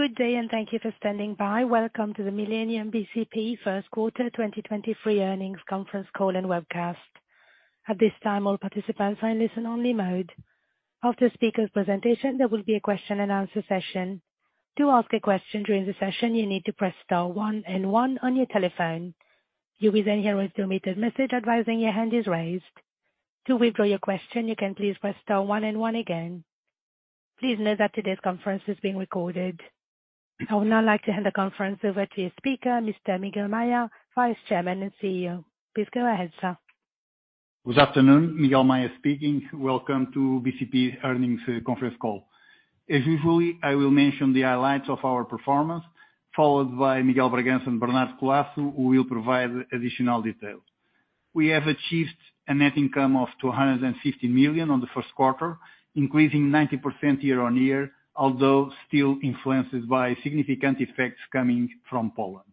Good day and thank you for standing by. Welcome to the Millennium bcp Q1 2023 Earnings Conference Call and Webcast. At this time, all participants are in listen only mode. After the speaker presentation, there will be a question and answer session. To ask a question during the session, you need to press star one and one on your telephone. You will then hear a recorded message advising your hand is raised. To withdraw your question, you can please press star one and one again. Please note that today's conference is being recorded. I would now like to hand the conference over to your speaker, Mr. Miguel Maya, Vice Chairman and CEO. Please go ahead, sir. Good afternoon. Miguel Maya speaking. Welcome to BCP Earnings Conference Call. As usually, I will mention the highlights of our performance, followed by Miguel Bragança and Bernardo Colaço, who will provide additional details. We have achieved a net income of 250 million on the Q1, increasing 90% year-on-year, although still influenced by significant effects coming from Poland.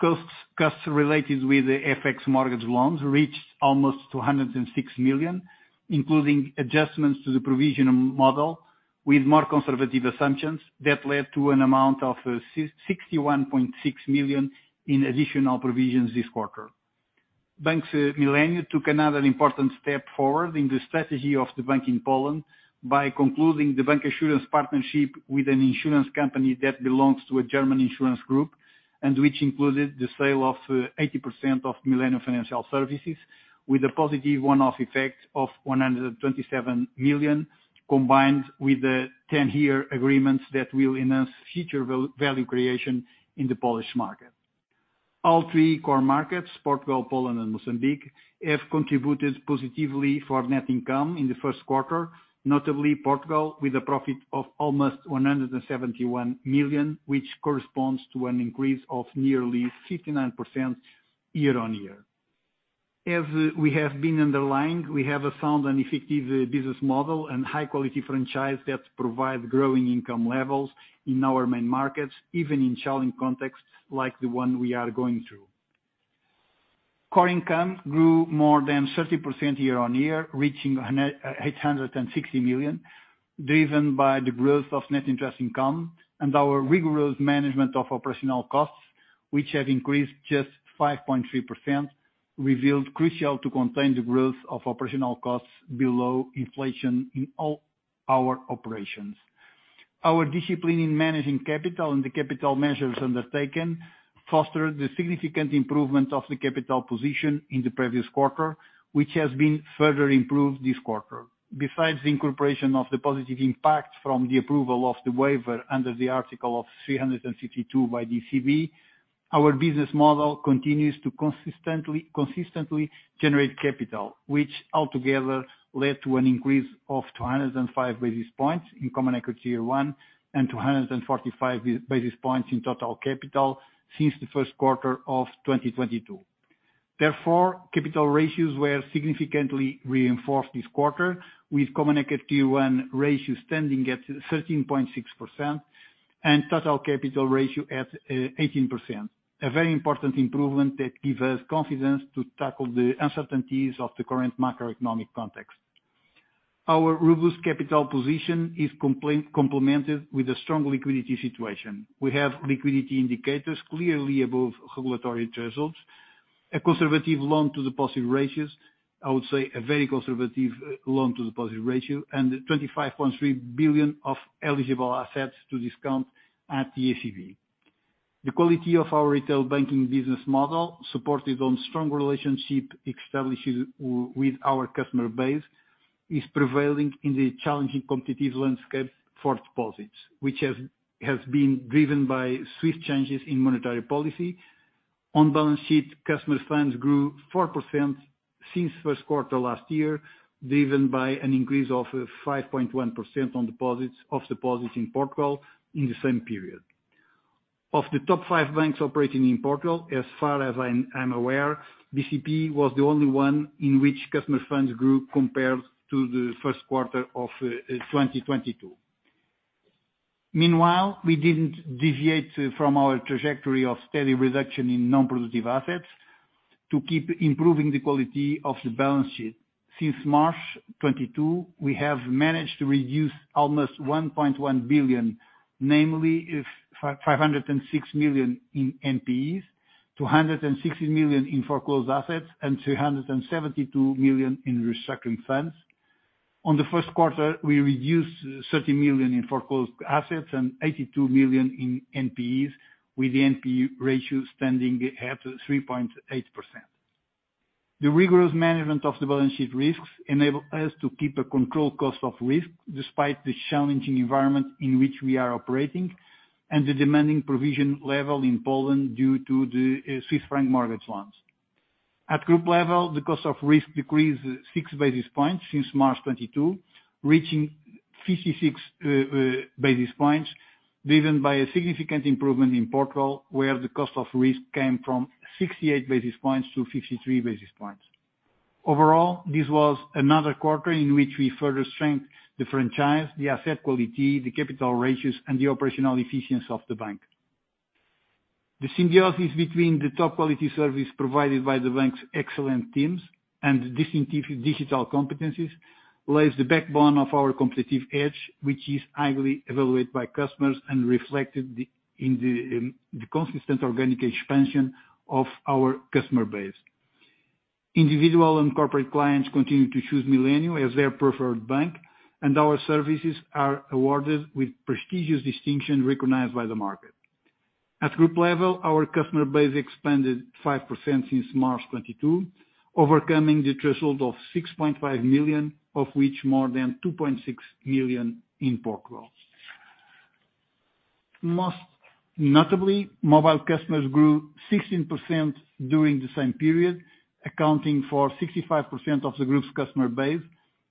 Costs related with the FX mortgage loans reached almost 206 million, including adjustments to the provisional model with more conservative assumptions that led to an amount of 61.6 million in additional provisions this quarter. Bank Millennium took another important step forward in the strategy of the bank in Poland by concluding the bank insurance partnership with an insurance company that belongs to a German insurance group, and which included the sale of 80% of Millennium Financial Services with a positive one off effect of 127 million, combined with the 10-year agreements that will enhance future value creation in the Polish market. All three core markets, Portugal, Poland and Mozambique, have contributed positively for net income in the Q1, notably Portugal, with a profit of almost 171 million, which corresponds to an increase of nearly 59% year-on-year. As we have been underlined, we have a sound and effective business model and high quality franchise that provide growing income levels in our main markets, even in challenging contexts like the one we are going through. Core income grew more than 30% year on year, reaching 860 million, driven by the growth of net interest income and our rigorous management of operational costs, which had increased just 5.3%, revealed crucial to contain the growth of operational costs below inflation in all our operations. Our discipline in managing capital and the capital measures undertaken fostered the significant improvement of the capital position in the previous quarter, which has been further improved this quarter. Besides the incorporation of the positive impact from the approval of the waiver under the Article 352 by ECB, our business model continues to consistently generate capital, which altogether led to an increase of 205 basis points in CET1 and 245 basis points in total capital since the Q1 of 2022. Capital ratios were significantly reinforced this quarter, with CET1 ratio standing at 13.6% and total capital ratio at 18%. A very important improvement that give us confidence to tackle the uncertainties of the current macroeconomic context. Our robust capital position is complemented with a strong liquidity situation. We have liquidity indicators clearly above regulatory thresholds, a conservative loan-to-deposit ratio, I would say a very conservative loan-to-deposit ratio and 25.3 billion of eligible assets to discount at the ECB. The quality of our retail banking business model, supported on strong relationship established with our customer base, is prevailing in the challenging competitive landscape for deposits, which has been driven by swift changes in monetary policy. On balance sheet, customer funds grew 4% since Q1 last year, driven by an increase of 5.1% on deposits, of deposits in Portugal in the same period. Of the top five banks operating in Portugal, as far as I'm aware, BCP was the only one in which customer funds grew compared to the Q1 of 2022. Meanwhile, we didn't deviate from our trajectory of steady reduction in non-productive assets to keep improving the quality of the balance sheet. Since March 2022, we have managed to reduce almost 1.1 billion, namely if 506 million in NPEs, 260 million in foreclosed assets, and 372 million in restructuring funds. On the Q1, we reduced 30 million in foreclosed assets and 82 million in NPEs, with the NPE ratio standing at 3.8%. The rigorous management of the balance sheet risks enable us to keep a controlled cost of risk despite the challenging environment in which we are operating and the demanding provision level in Poland due to the Swiss franc mortgage loans. At group level, the cost of risk decreased 6 basis points since March 2022, reaching 56 basis points, driven by a significant improvement in Portugal, where the cost of risk came from 68 basis points to 53 basis points. Overall, this was another quarter in which we further strengthened the franchise, the asset quality, the capital ratios, and the operational efficiency of the bank. The symbiosis between the top quality service provided by the bank's excellent teams and distinctive digital competencies lays the backbone of our competitive edge, which is highly evaluated by customers and reflected in the consistent organic expansion of our customer base. Individual and corporate clients continue to choose Millennium as their preferred bank, and our services are awarded with prestigious distinction recognized by the market. At group level, our customer base expanded 5% since March 2022, overcoming the threshold of 6.5 million, of which more than 2.6 million in Portugal. Most notably, mobile customers grew 16% during the same period, accounting for 65% of the group's customer base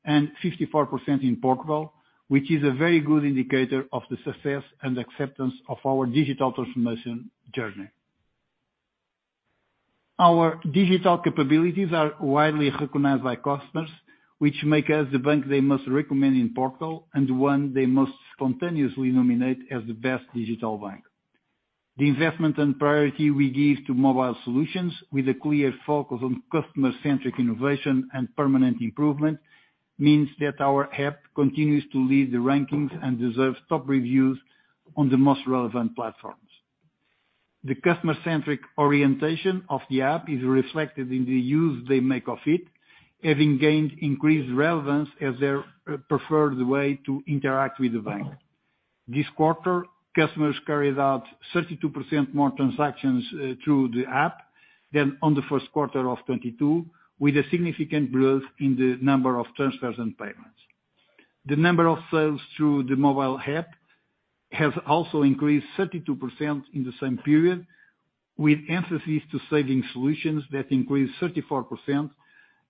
and 54% in Portugal, which is a very good indicator of the success and acceptance of our digital transformation journey. Our digital capabilities are widely recognized by customers, which make us the bank they must recommend in Portugal and one they most spontaneously nominate as the best digital bank. The investment and priority we give to mobile solutions with a clear focus on customer-centric innovation and permanent improvement means that our app continues to lead the rankings and deserves top reviews on the most relevant platforms. The customer-centric orientation of the app is reflected in the use they make of it, having gained increased relevance as their preferred way to interact with the bank. This quarter, customers carried out 32% more transactions through the app than on the Q1 of 2022, with a significant growth in the number of transfers and payments. The number of sales through the mobile app has also increased 32% in the same period, with emphasis to saving solutions that increased 34%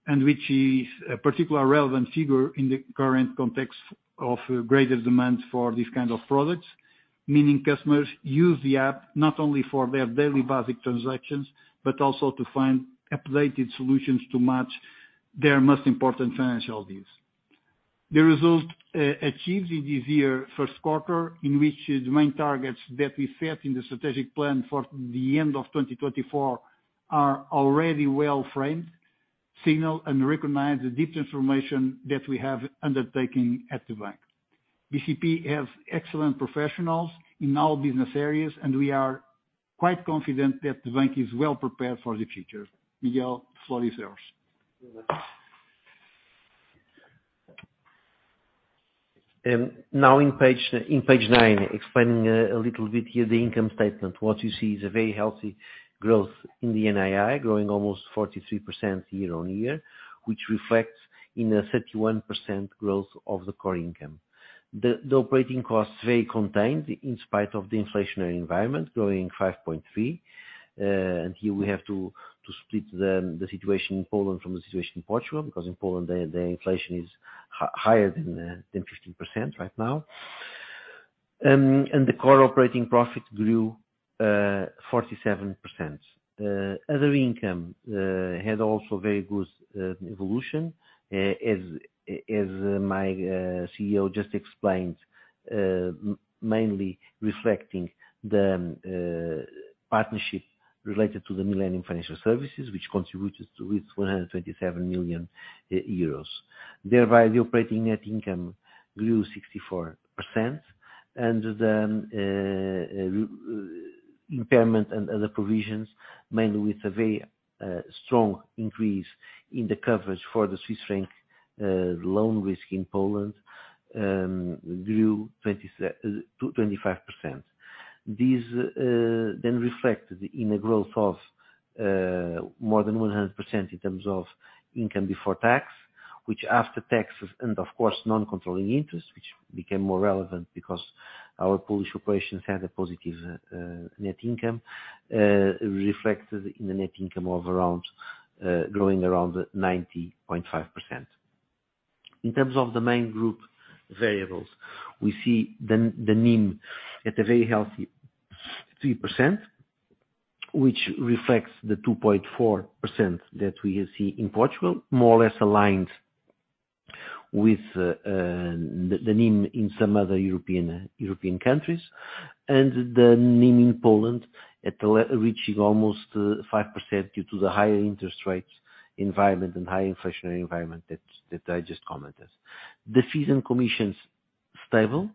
and which is a particular relevant figure in the current context of greater demand for these kind of products. Meaning customers use the app not only for their daily basic transactions, but also to find updated solutions to match their most important financial needs. The results, achieved in this year Q1, in which the main targets that we set in the strategic plan for the end of 2024 are already well framed, signal and recognize the deep transformation that we have undertaking at the bank. BCP has excellent professionals in all business areas and we are quite confident that the bank is well prepared for the future. Miguel, the floor is yours. Now in page 9, explaining a little bit here the income statement. What you see is a very healthy growth in the NII, growing almost 43% year on year, which reflects in a 31% growth of the core income. The operating costs very contained in spite of the inflationary environment, growing 5.3%. Here we have to split the situation in Poland from the situation in Portugal, because in Poland the inflation is higher than 15% right now. The core operating profit grew 47%. Other income had also very good evolution, as my CEO just explained, mainly reflecting the partnership related to the Millennium Financial Services, which contributed with 127 million euros. Thereby, the operating net income grew 64%. Impairment and other provisions, mainly with a very strong increase in the coverage for the Swiss franc loan risk in Poland, grew 25%. These then reflected in a growth of more than 100% in terms of income before tax, which after taxes and of course, non-controlling interest, which became more relevant because our Polish operations had a positive net income, reflected in the net income of around growing around 90.5%. In terms of the main group variables, we see the NIM at a very healthy 3%, which reflects the 2.4% that we see in Portugal, more or less aligned with the NIM in some other European countries. The NIM in Poland reaching almost 5% due to the higher interest rates environment and high inflationary environment that I just commented. The fees and commissions stable,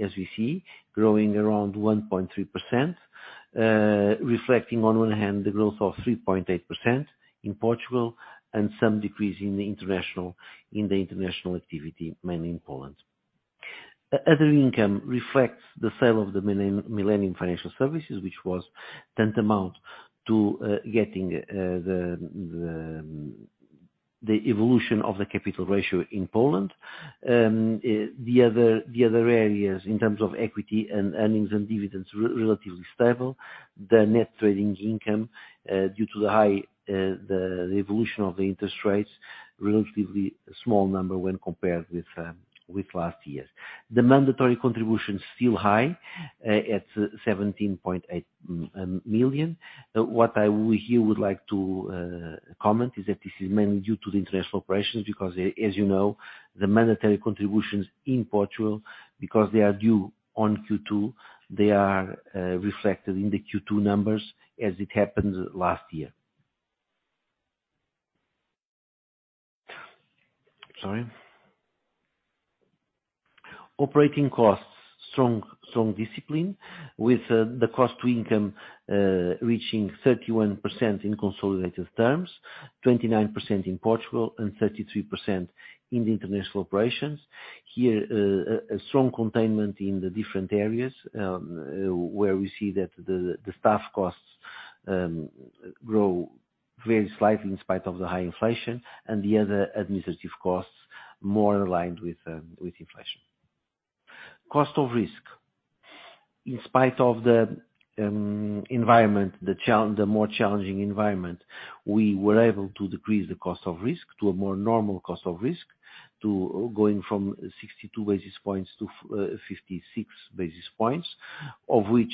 as we see, growing around 1.3%, reflecting on one hand the growth of 3.8% in Portugal and some decrease in the international activity, mainly in Poland. Other income reflects the sale of the Millennium Financial Services, which was tantamount to getting the evolution of the capital ratio in Poland. The other areas in terms of equity and earnings and dividends, relatively stable. The net trading income, due to the high the evolution of the interest rates, relatively small number when compared with last year's. The mandatory contributions still high at 17.8 million. What I here would like to comment is that this is mainly due to the international operations, because as you know, the mandatory contributions in Portugal, because they are due on Q2, they are reflected in the Q2 numbers as it happened last year. Operating costs, strong discipline with the cost-to-income reaching 31% in consolidated terms, 29% in Portugal, and 33% in the international operations. Here, a strong containment in the different areas, where we see that the staff costs grow very slightly in spite of the high inflation and the other administrative costs more aligned with inflation. Cost of risk. In spite of the environment, the more challenging environment, we were able to decrease the cost of risk to a more normal cost of risk to going from 62 basis points to 56 basis points, of which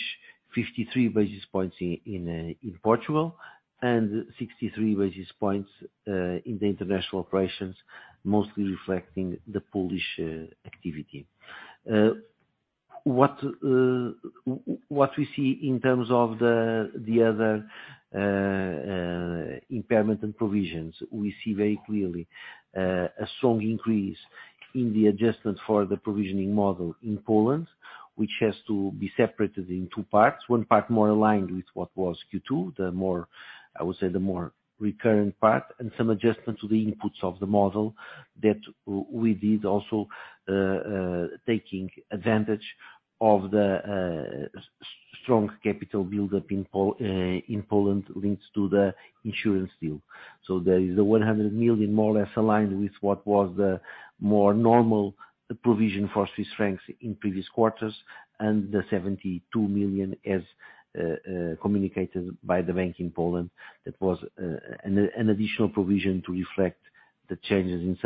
53 basis points in Portugal and 63 basis points in the international operations, mostly reflecting the Polish activity. What we see in terms of the other impairment and provisions, we see very clearly a strong increase in the adjustment for the provisioning model in Poland, which has to be separated in two parts. One part more aligned with what was Q2, the more, I would say, the more recurring part, and some adjustment to the inputs of the model that we did also, taking advantage of the strong capital buildup in Poland links to the insurance deal. There is a 100 million more or less aligned with what was the more normal provision for Swiss francs in previous quarters and the 72 million as communicated by the bank in Poland. That was an additional provision to reflect the changes in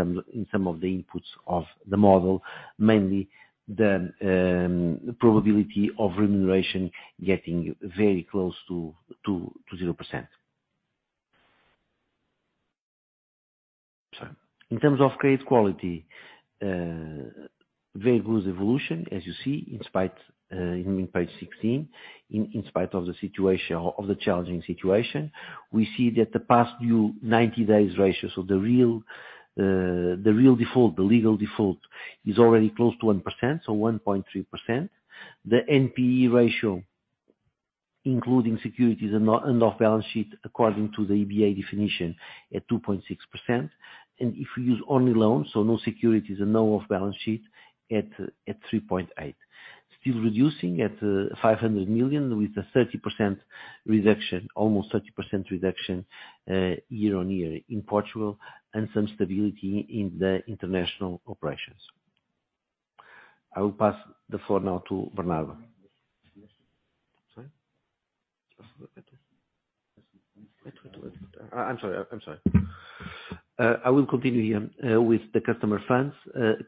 some of the inputs of the model, mainly the probability of remuneration getting very close to 0%. Sorry. In terms of credit quality, very good evolution as you see in spite, in page 16, in spite of the situation or of the challenging situation. We see that the past due 90 days ratio, so the real, the real default, the legal default is already close to 1%, so 1.3%. The NPE ratio, including securities and off balance sheet according to the EBA definition at 2.6%. If we use only loans, so no securities and no off balance sheet at 3.8%. Still reducing at 500 million with a 30% reduction, almost 30% reduction, year-on-year in Portugal and some stability in the international operations. I will pass the floor now to Bernardo. Sorry. I'm sorry. I will continue here with the customer funds.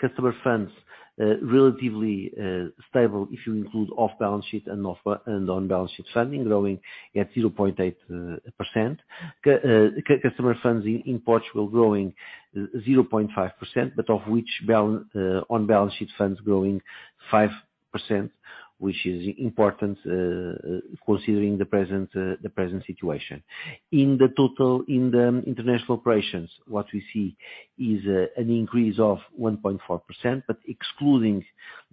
Customer funds, relatively, stable if you include off balance sheet and off, and on balance sheet funding growing at 0.8%. Customer funds in Portugal growing 0.5%, but of which on balance sheet funds growing 5%, which is important, considering the present, the present situation. In the total, in the international operations, what we see is an increase of 1.4%. Excluding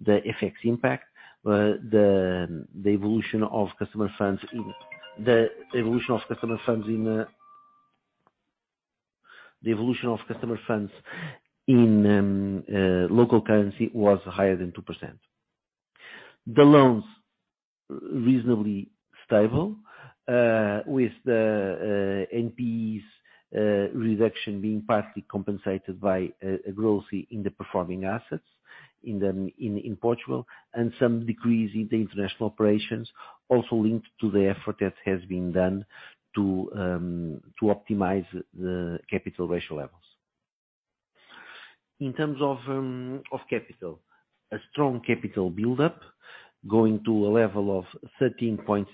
the FX impact, the evolution of customer funds in local currency was higher than 2%. The loans reasonably stable, with the NPEs reduction being partly compensated by a growth in the performing assets in Portugal and some decrease in the international operations also linked to the effort that has been done to optimize the capital ratio levels. In terms of capital, a strong capital buildup going to a level of 13.6%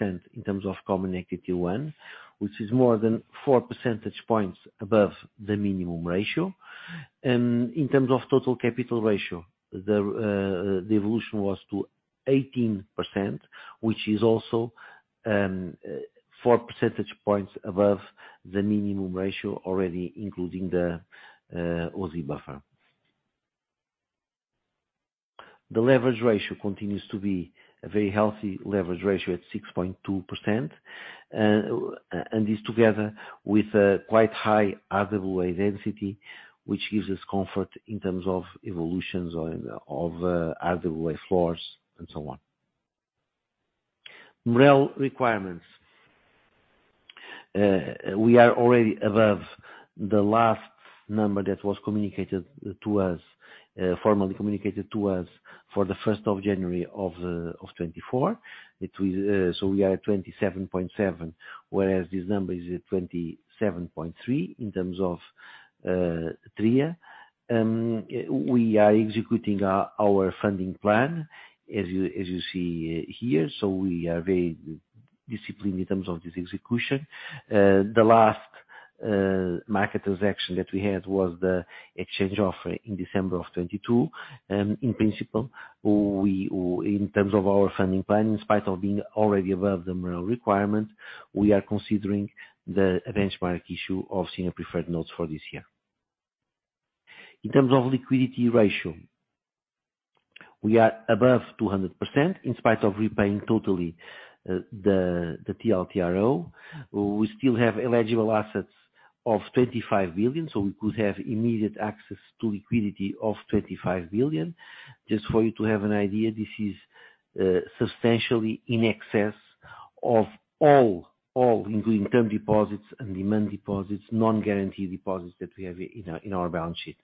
in terms of Common Equity Tier 1, which is more than 4 percentage points above the minimum ratio. In terms of total capital ratio, the evolution was to 18% which is also 4 percentage points above the minimum ratio already, including the O-SII buffer. The leverage ratio continues to be a very healthy leverage ratio at 6.2%. This together with a quite high RWA density, which gives us comfort in terms of evolutions or of RWA floors and so on. MREL requirements. We are already above the last number that was communicated to us, formally communicated to us for the 1 January 2024. We are at 27.7, whereas this number is at 27.3 in terms of TREA. We are executing our funding plan as you see here, we are very disciplined in terms of this execution. The last market transaction that we had was the exchange offer in December of 2022. In principle, we, in terms of our funding plan, in spite of being already above the MREL requirement, we are considering the benchmark issue of senior preferred notes for this year. In terms of liquidity ratio, we are above 200% in spite of repaying totally the TLTRO. We still have eligible assets of 25 billion, so we could have immediate access to liquidity of 25 billion. Just for you to have an idea, this is substantially in excess of all including term deposits and demand deposits, non-guaranteed deposits that we have in our, in our balance sheet.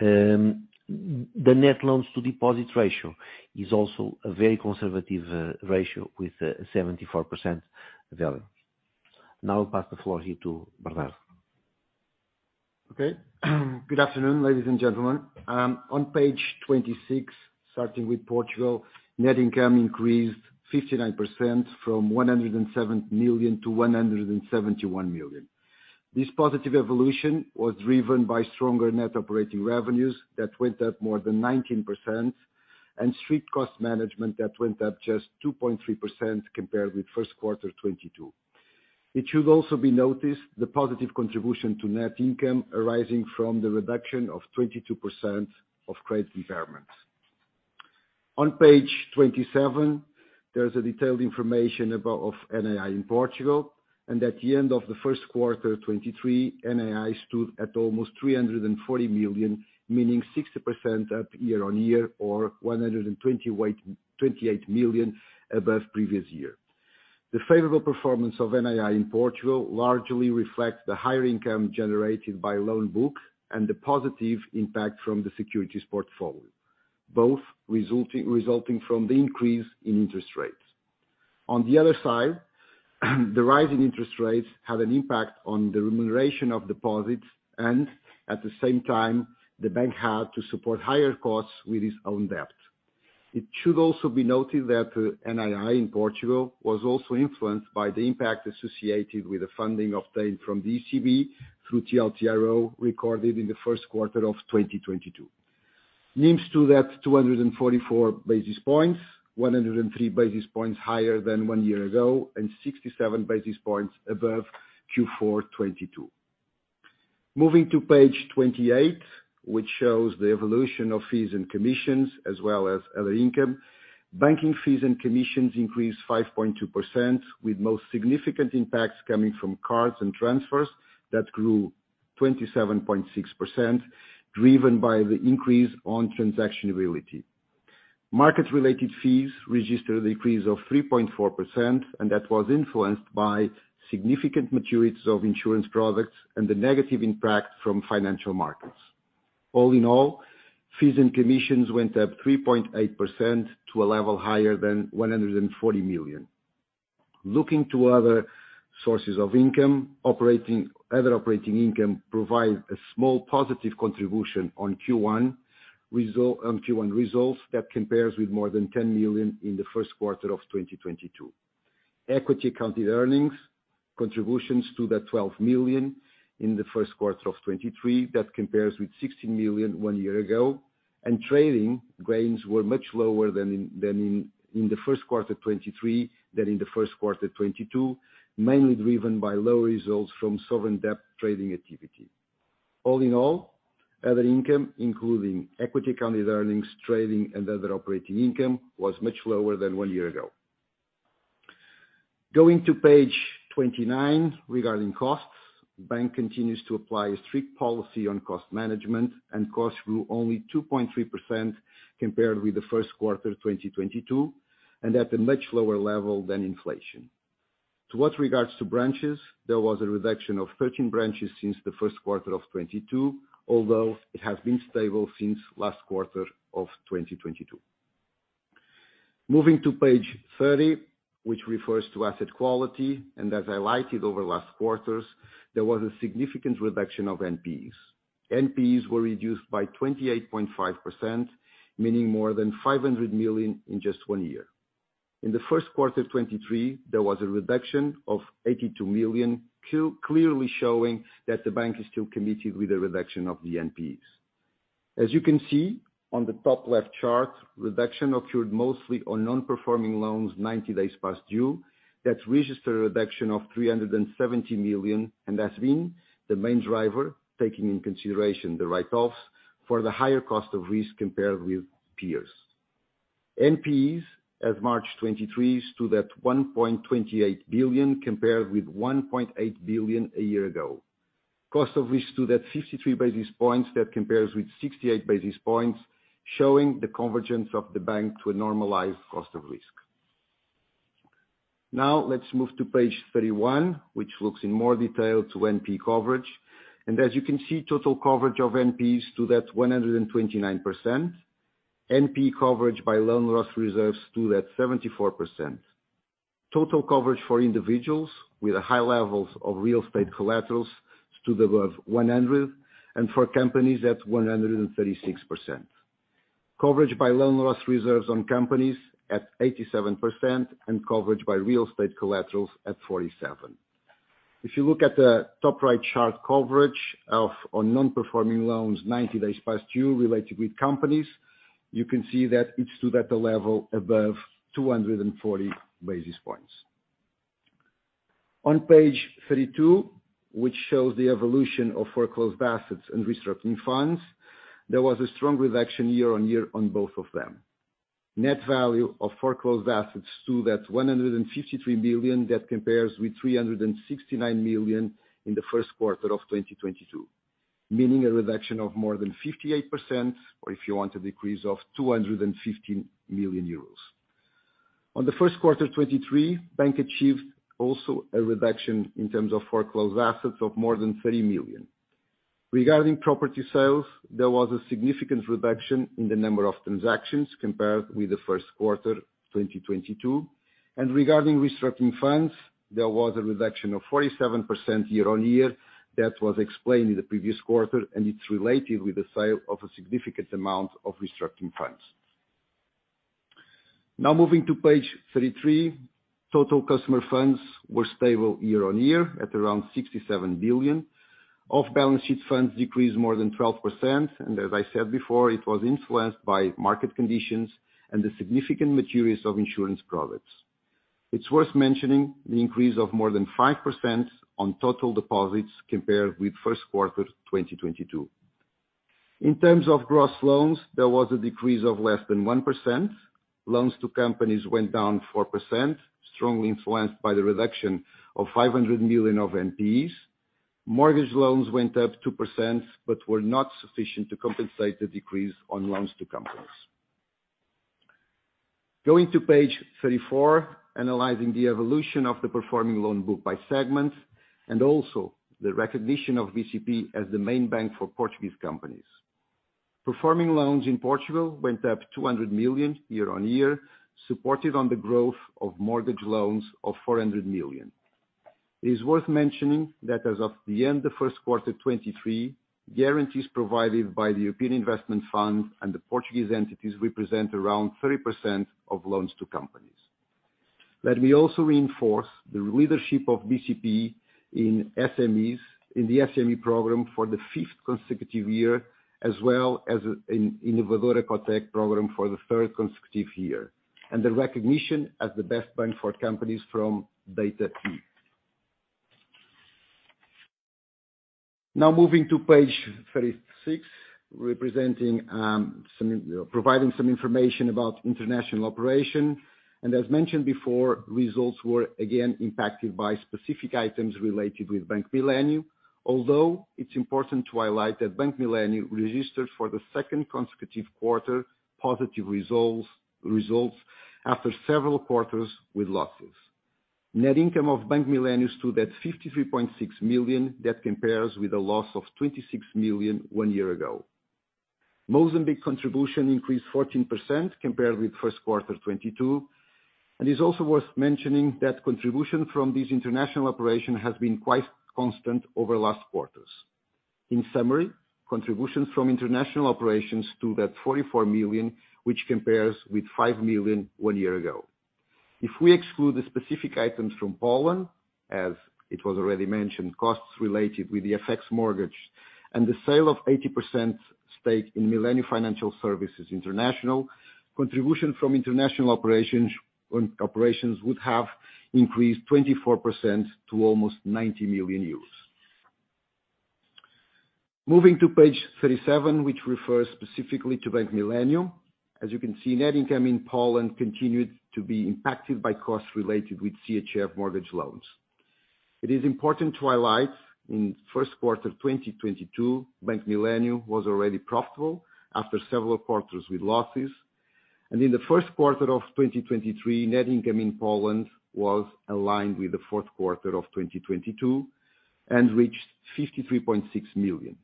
The net loans to deposits ratio is also a very conservative ratio with a 74% value. I'll pass the floor here to Bernard. Okay. Good afternoon, ladies and gentlemen. On page 26, starting with Portugal, net income increased 59% from 107 million to 171 million. This positive evolution was driven by stronger net operating revenues that went up more than 19% and strict cost management that went up just 2.3% compared with Q1 2022. It should also be noticed the positive contribution to net income arising from the reduction of 22% of credit impairments. On page 27, there's a detailed information of NII in Portugal and at the end of the Q1 2023, NII stood at almost 340 million, meaning 60% up year-on-year or 128 million above previous year. The favorable performance of NII in Portugal largely reflects the higher income generated by loan book and the positive impact from the securities portfolio, both resulting from the increase in interest rates. On the other side, the rise in interest rates had an impact on the remuneration of deposits. At the same time, the bank had to support higher costs with its own debt. It should also be noted that NII in Portugal was also influenced by the impact associated with the funding obtained from the ECB through TLTRO recorded in the Q1 of 2022. NIM stood at 244 basis points, 103 basis points higher than one year ago. Sixty-seven basis points above Q4 2022. Moving to page 28, which shows the evolution of fees and commissions as well as other income. Banking fees and commissions increased 5.2% with most significant impacts coming from cards and transfers that grew 27.6%, driven by the increase on transaction ability. Market-related fees registered a decrease of 3.4%, and that was influenced by significant maturities of insurance products and the negative impact from financial markets. All in all, fees and commissions went up 3.8% to a level higher than 140 million. Looking to other sources of income, other operating income provide a small positive contribution on Q1 results that compares with more than 10 million in the Q1 of 2022. Equity accounted earnings contributions stood at 12 million in the Q1 of 2023. That compares with 16 million one year ago. Trading gains were much lower than in the Q1 2023 than in the Q1 2022, mainly driven by low results from sovereign debt trading activity. All in all, other income, including equity accounted earnings, trading, and other operating income, was much lower than 1 year ago. Going to page 29, regarding costs. Bank continues to apply a strict policy on cost management, and costs grew only 2.3% compared with the Q1 2022, and at a much lower level than inflation. To what regards to branches, there was a reduction of 13 branches since the Q1 of 2022, although it has been stable since last quarter of 2022. Moving to page 30, which refers to asset quality. As highlighted over last quarters, there was a significant reduction of NPEs. NPEs were reduced by 28.5%, meaning more than 500 million in just one year. In the Q1 2023, there was a reduction of 82 million, clearly showing that the bank is still committed with the reduction of the NPEs. As you can see on the top left chart, reduction occurred mostly on non-performing loans 90 days past due. That registered a reduction of 370 million, and that's been the main driver, taking into consideration the write-offs, for the higher cost of risk compared with peers. NPEs as March 2023 stood at 1.28 billion, compared with 1.8 billion a year ago. Cost of risk stood at 53 basis points. That compares with 68 basis points, showing the convergence of the bank to a normalized cost of risk. Now let's move to page 31, which looks in more detail to NPE coverage. As you can see, total coverage of NPEs stood at 129%. NPE coverage by loan loss reserves stood at 74%. Total coverage for individuals with high levels of real estate collaterals stood above 100, and for companies at 136%. Coverage by loan loss reserves on companies at 87%, and coverage by real estate collaterals at 47%. If you look at the top right chart coverage of on non-performing loans 90 days past due related with companies, you can see that it stood at a level above 240 basis points. On page 32, which shows the evolution of foreclosed assets and restructuring funds, there was a strong reduction year-over-year on both of them. Net value of foreclosed assets stood at 153 million, that compares with 369 million in the Q1 of 2022, meaning a reduction of more than 58%, or if you want, a decrease of 250 million euros. On the Q1 of 2023, bank achieved also a reduction in terms of foreclosed assets of more than 30 million. Regarding property sales, there was a significant reduction in the number of transactions compared with the Q1 2022. Regarding restructuring funds, there was a reduction of 47% year-on-year that was explained in the previous quarter, and it's related with the sale of a significant amount of restructuring funds. Moving to page 33, total customer funds were stable year-on-year at around 67 billion. Off-balance sheet funds decreased more than 12%, and as I said before, it was influenced by market conditions and the significant maturities of insurance products. It's worth mentioning the increase of more than 5% on total deposits compared with Q1 2022. In terms of gross loans, there was a decrease of less than 1%. Loans to companies went down 4%, strongly influenced by the reduction of 500 million of NPEs. Mortgage loans went up 2%, but were not sufficient to compensate the decrease on loans to companies. Going to page 34, analyzing the evolution of the performing loan book by segment, and also the recognition of BCP as the main bank for Portuguese companies. Performing loans in Portugal went up 200 million year-over-year, supported on the growth of mortgage loans of 400 million. It is worth mentioning that as of the end of Q1 2023, guarantees provided by the European Investment Fund and the Portuguese entities represent around 3% of loans to companies. Let me also reinforce the leadership of BCP in SMEs, in the PME Líder for the 5th consecutive year, as well as in the Valor Ecotech program for the 3rd consecutive year, and the recognition as the best bank for companies from Data E. Moving to page 36, providing some information about international operation. As mentioned before, results were again impacted by specific items related with Bank Millennium, although it's important to highlight that Bank Millennium registered for the 2nd consecutive quarter positive results after several quarters with losses. Net income of Bank Millennium stood at 53.6 million. That compares with a loss of 26 million one year ago. Mozambique contribution increased 14% compared with Q1 2022, and it's also worth mentioning that contribution from this international operation has been quite constant over last quarters. In summary, contributions from international operations stood at 44 million, which compares with 5 million one year ago. If we exclude the specific items from Poland, as it was already mentioned, costs related with the FX mortgage and the sale of 80% stake in Millennium Financial Services International, contribution from international operations would have increased 24% to almost 90 million euros. Moving to page 37, which refers specifically to Bank Millennium. As you can see, net income in Poland continued to be impacted by costs related with CHF mortgage loans. It is important to highlight in Q1 2022, Bank Millennium was already profitable after several quarters with losses. In the Q1 of 2023, net income in Poland was aligned with the Q4 of 2022 and reached 53.6 million.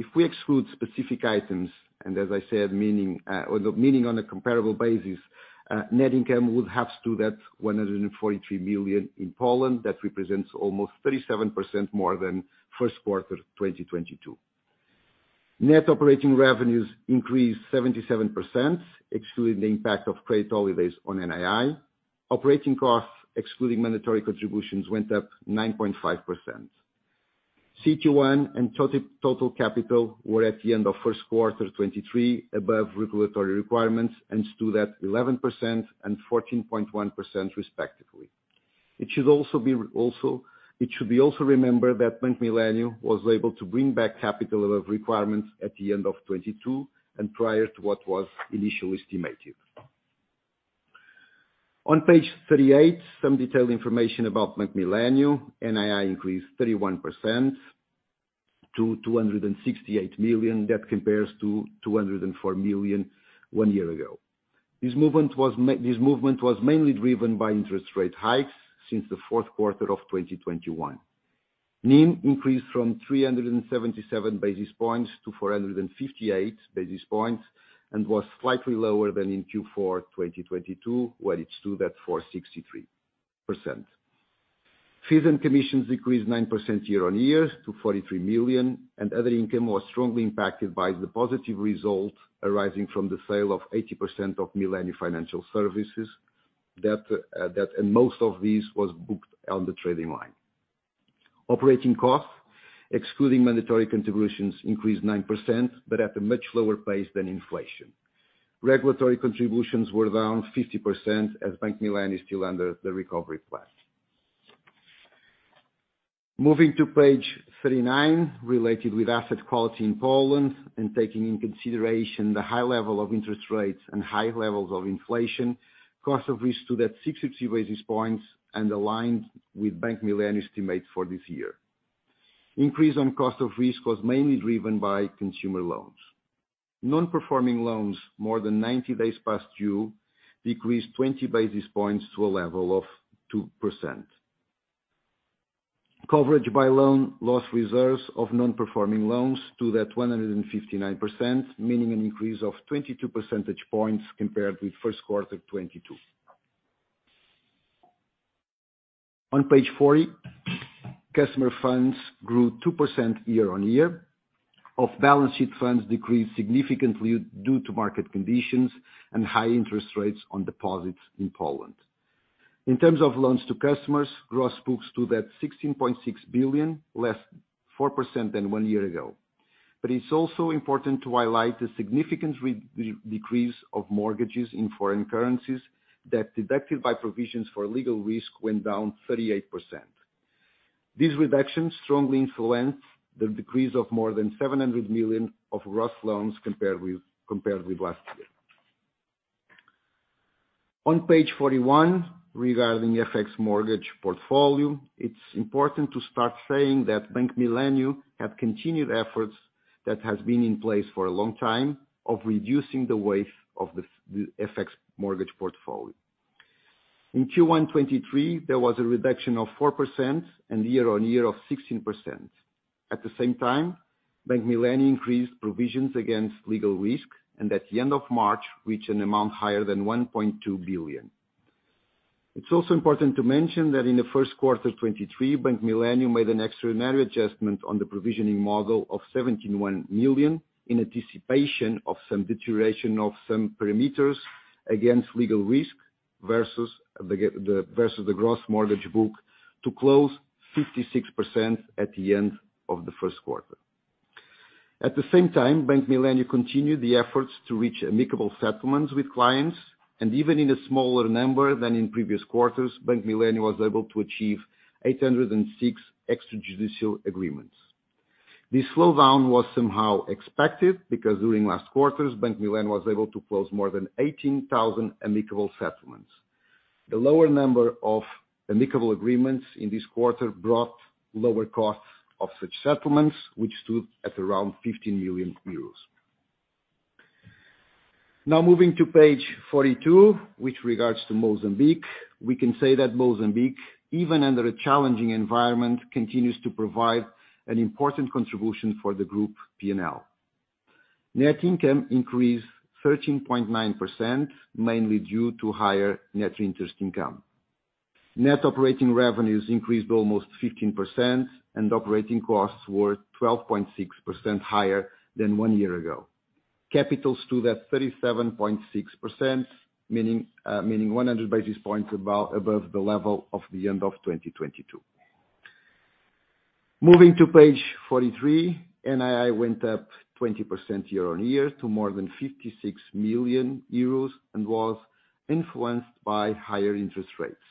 If we exclude specific items, and as I said, meaning, or the meaning on a comparable basis, net income would have stood at 143 million in Poland. That represents almost 37% more than Q1 2022. Net operating revenues increased 77%, excluding the impact of credit holidays on NII. Operating costs, excluding mandatory contributions, went up 9.5%. CET1 and total capital were at the end of Q1 2023 above regulatory requirements and stood at 11% and 14.1% respectively. It should also be remembered that Bank Millennium was able to bring back capital above requirements at the end of 2022 and prior to what was initially estimated. On page 38, some detailed information about Bank Millennium. NII increased 31% to 268 million. That compares to 204 million one year ago. This movement was mainly driven by interest rate hikes since the Q4 of 2021. NIM increased from 377 basis points to 458 basis points and was slightly lower than in Q4 2022, where it stood at 4.63%. Fees and commissions decreased 9% year on year to 43 million. Other income was strongly impacted by the positive result arising from the sale of 80% of Millennium Financial Services. Most of this was booked on the trading line. Operating costs, excluding mandatory contributions increased 9%, at a much slower pace than inflation. Regulatory contributions were down 50% as Bank Millennium is still under the recovery plan. Moving to page 39, related with asset quality in Poland and taking into consideration the high level of interest rates and high levels of inflation, cost of risk stood at 60 basis points and aligned with Bank Millennium estimate for this year. Increase on cost of risk was mainly driven by consumer loans. Non-performing loans more than 90 days past due, decreased 20 basis points to a level of 2%. Coverage by loan loss reserves of non-performing loans stood at 159%, meaning an increase of 22 percentage points compared with Q1 2022. On page 40, customer funds grew 2% year-on-year. Off-balance sheet funds decreased significantly due to market conditions and high interest rates on deposits in Poland. In terms of loans to customers, gross books stood at 16.6 billion, less 4% than one year ago. It's also important to highlight the significant decrease of mortgages in foreign currencies that, deducted by provisions for legal risk, went down 38%. These reductions strongly influence the decrease of more than 700 million of gross loans compared with last year. On page 41, regarding FX mortgage portfolio, it's important to start saying that Bank Millennium have continued efforts that has been in place for a long time of reducing the weight of the FX mortgage portfolio. In Q1 2023, there was a reduction of 4% and year-on-year of 16%. At the same time, Bank Millennium increased provisions against legal risk, and at the end of March, reached an amount higher than 1.2 billion. It's also important to mention that in the Q1 2023, Bank Millennium made an extraordinary adjustment on the provisioning model of 71 million in anticipation of some deterioration of some parameters against legal risk versus the gross mortgage book to close 56% at the end of the Q1. At the same time, Bank Millennium continued the efforts to reach amicable settlements with clients. Even in a smaller number than in previous quarters, Bank Millennium was able to achieve 806 extra-judicial agreements. This slowdown was somehow expected because during last quarters, Bank Millennium was able to close more than 18,000 amicable settlements. The lower number of amicable agreements in this quarter brought lower costs of such settlements, which stood at around 50 million euros. Moving to page 42, with regards to Mozambique. We can say that Mozambique, even under a challenging environment, continues to provide an important contribution for the group P&L. Net income increased 13.9%, mainly due to higher net interest income. Net operating revenues increased almost 15%, operating costs were 12.6% higher than 1 year ago. Capital stood at 37.6%, meaning 100 basis points above the level of the end of 2022. Moving to page 43, NII went up 20% year-over-year to more than 56 million euros and was influenced by higher interest rates.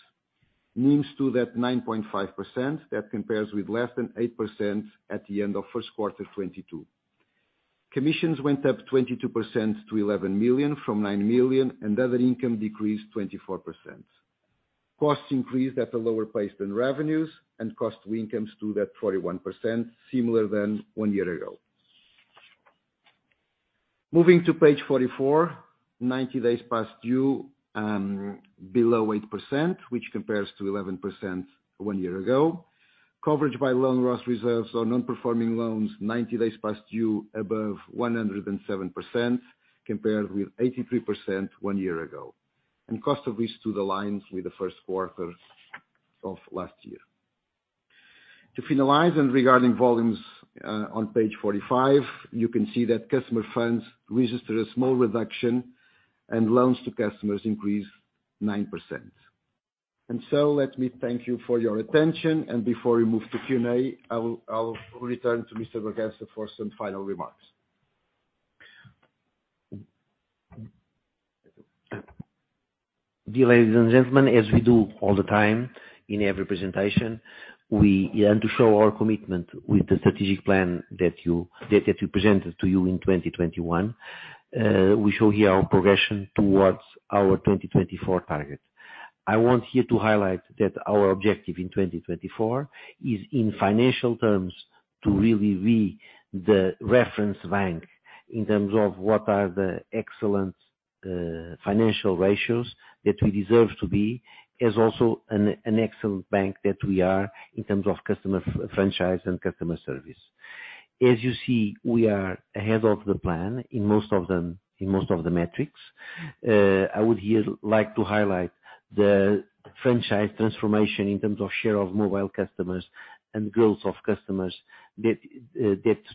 NIM stood at 9.5%, that compares with less than 8% at the end of Q1 2022. Commissions went up 22% to 11 million from 9 million. Other income decreased 24%. Costs increased at a lower pace than revenues and cost-to-income stood at 41%, similar than one year ago. Moving to page 44, 90 days past due, below 8%, which compares to 11% one year ago. Coverage by loan loss reserves or non-performing loans, 90 days past due, above 107%, compared with 83% one year ago. Cost of risk to the lines with the Q1 of last year. To finalize and regarding volumes, on page 45, you can see that customer funds registered a small reduction. Loans to customers increased 9%. And so let me thank you for your attention. Before we move to Q&A, I will return to Mr. Bragança for some final remarks. Dear ladies and gentlemen, as we do all the time in every presentation, we aim to show our commitment with the strategic plan that we presented to you in 2021. We show here our progression towards our 2024 target. I want here to highlight that our objective in 2024 is, in financial terms, to really be the reference bank in terms of what are the excellent financial ratios that we deserve to be, as also an excellent bank that we are in terms of customer franchise and customer service. As you see, we are ahead of the plan in most of them, in most of the metrics. I would here like to highlight the franchise transformation in terms of share of mobile customers and growth of customers that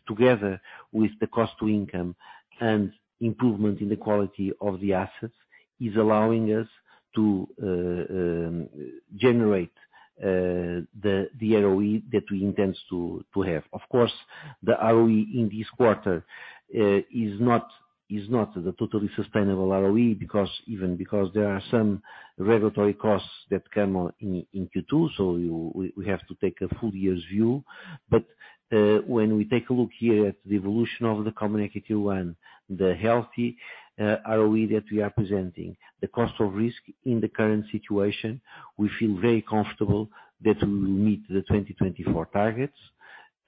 together with the cost-to-income and improvement in the quality of the assets, is allowing us to generate the ROE that we intends to have. Of course, the ROE in this quarter, is not the totally sustainable ROE because, even because there are some regulatory costs that come on in Q2, so we have to take a full year's view. When we take a look here at the evolution of the Common Equity Tier 1, the healthy ROE that we are presenting, the cost of risk in the current situation, we feel very comfortable that we will meet the 2024 targets,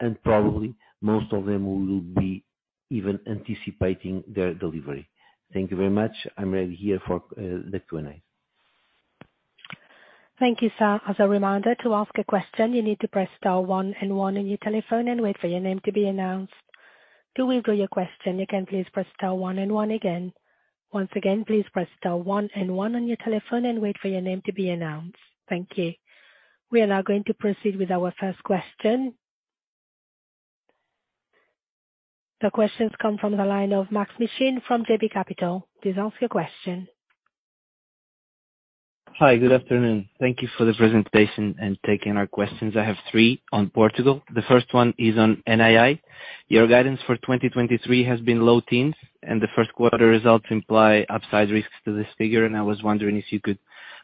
and probably most of them will be even anticipating their delivery. Thank you very much. I'm ready here for the Q&A. Thank you, sir. As a reminder, to ask a question, you need to press star one and one on your telephone and wait for your name to be announced. To withdraw your question, you can please press star one and one again. Once again, please press star one and one on your telephone and wait for your name to be announced. Thank you. We are now going to proceed with our first question. The questions come from the line of Maksym Mishyn from JB Capital. Please ask your question. Hi, good afternoon. Thank you for the presentation and taking our questions. I have 3 on Portugal. The first one is on NII. Your guidance for 2023 has been low teens, and the Q1 results imply upside risks to this figure. I was wondering if you could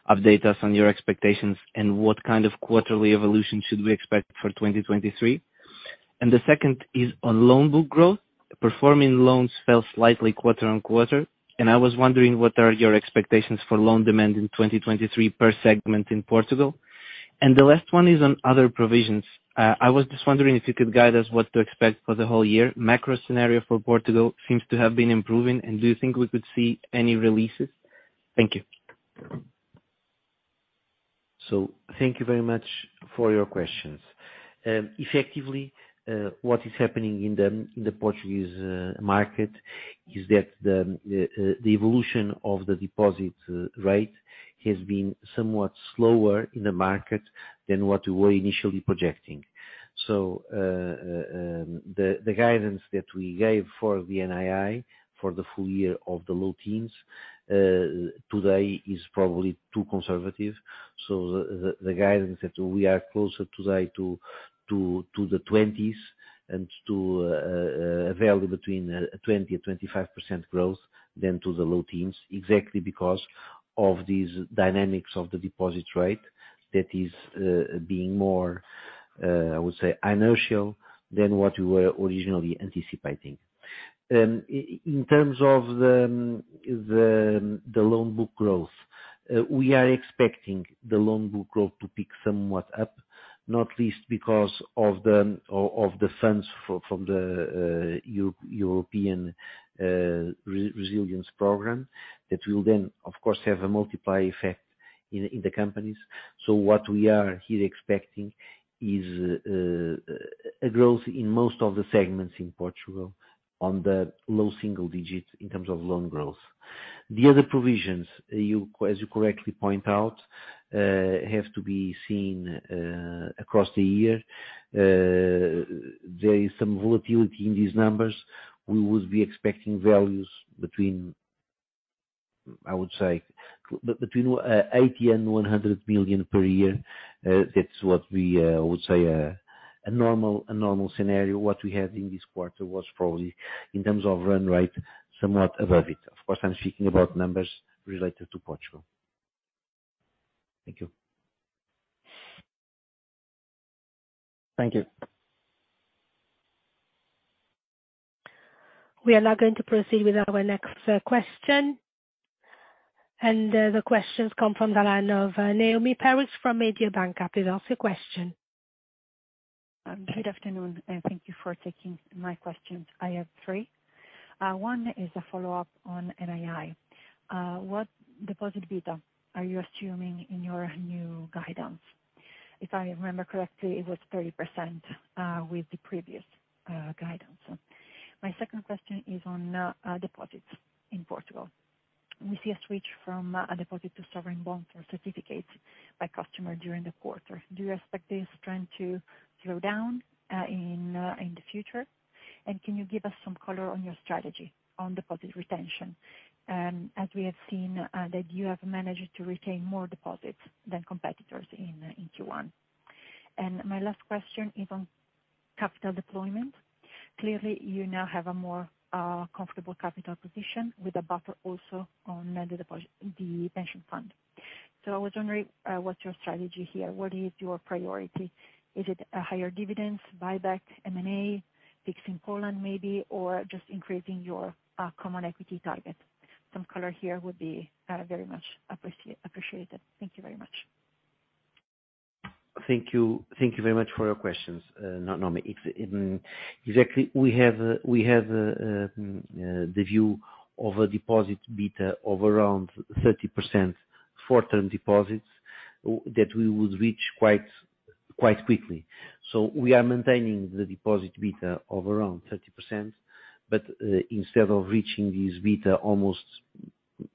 update us on your expectations and what kind of quarterly evolution should we expect for 2023. The second is on loan book growth. Performing loans fell slightly quarter on quarter. I was wondering what are your expectations for loan demand in 2023 per segment in Portugal. The last one is on other provisions. I was just wondering if you could guide us what to expect for the whole year. Macro scenario for Portugal seems to have been improving. Do you think we could see any releases? Thank you. Thank you very much for your questions. Effectively, what is happening in the Portuguese market is that the evolution of the deposit rate has been somewhat slower in the market than what we were initially projecting. The guidance that we gave for the NII for the full year of the low teens today is probably too conservative. The guidance that we are closer today to the twenties and to a value between 20% to 25% growth than to the low teens, exactly because of these dynamics of the deposit rate that is being more, I would say, inertial than what we were originally anticipating. In terms of the loan book growth, we are expecting the loan book growth to pick somewhat up, not least because of the funds from the European Resilience program that will then, of course, have a multiply effect in the companies. What we are here expecting is a growth in most of the segments in Portugal on the low single digits in terms of loan growth. The other provisions, as you correctly point out, have to be seen across the year. There is some volatility in these numbers. We would be expecting values between, I would say, between 80 million and 100 million per year. That's what we would say a normal scenario. What we had in this quarter was probably, in terms of run rate, somewhat above it. Of course, I'm speaking about numbers related to Portugal. Thank you. Thank you. We are now going to proceed with our next question. The questions come from the line of Noemi Peruch from Mediobanca. Please ask your question. Good afternoon, and thank you for taking my questions. I have three. One is a follow-up on NII. What deposit beta are you assuming in your new guidance? If I remember correctly, it was 30%, with the previous guidance. My second question is on deposits in Portugal. We see a switch from a deposit to sovereign bonds or certificates by customer during the quarter. Do you expect this trend to slow down in the future? Can you give us some color on your strategy on deposit retention, as we have seen that you have managed to retain more deposits than competitors in Q1. My last question is on capital deployment. Clearly, you now have a more comfortable capital position with a buffer also on the pension fund. I was wondering, what's your strategy here? What is your priority? Is it a higher dividends, buyback, M&A, fixing Poland maybe, or just increasing your common equity target? Some color here would be very much appreciated. Thank you very much. Thank you. Thank you very much for your questions, Noemi. It's exactly, we have the view of a deposit beta of around 30% for term deposits that we would reach quite quickly. We are maintaining the deposit beta of around 30%, but instead of reaching this beta almost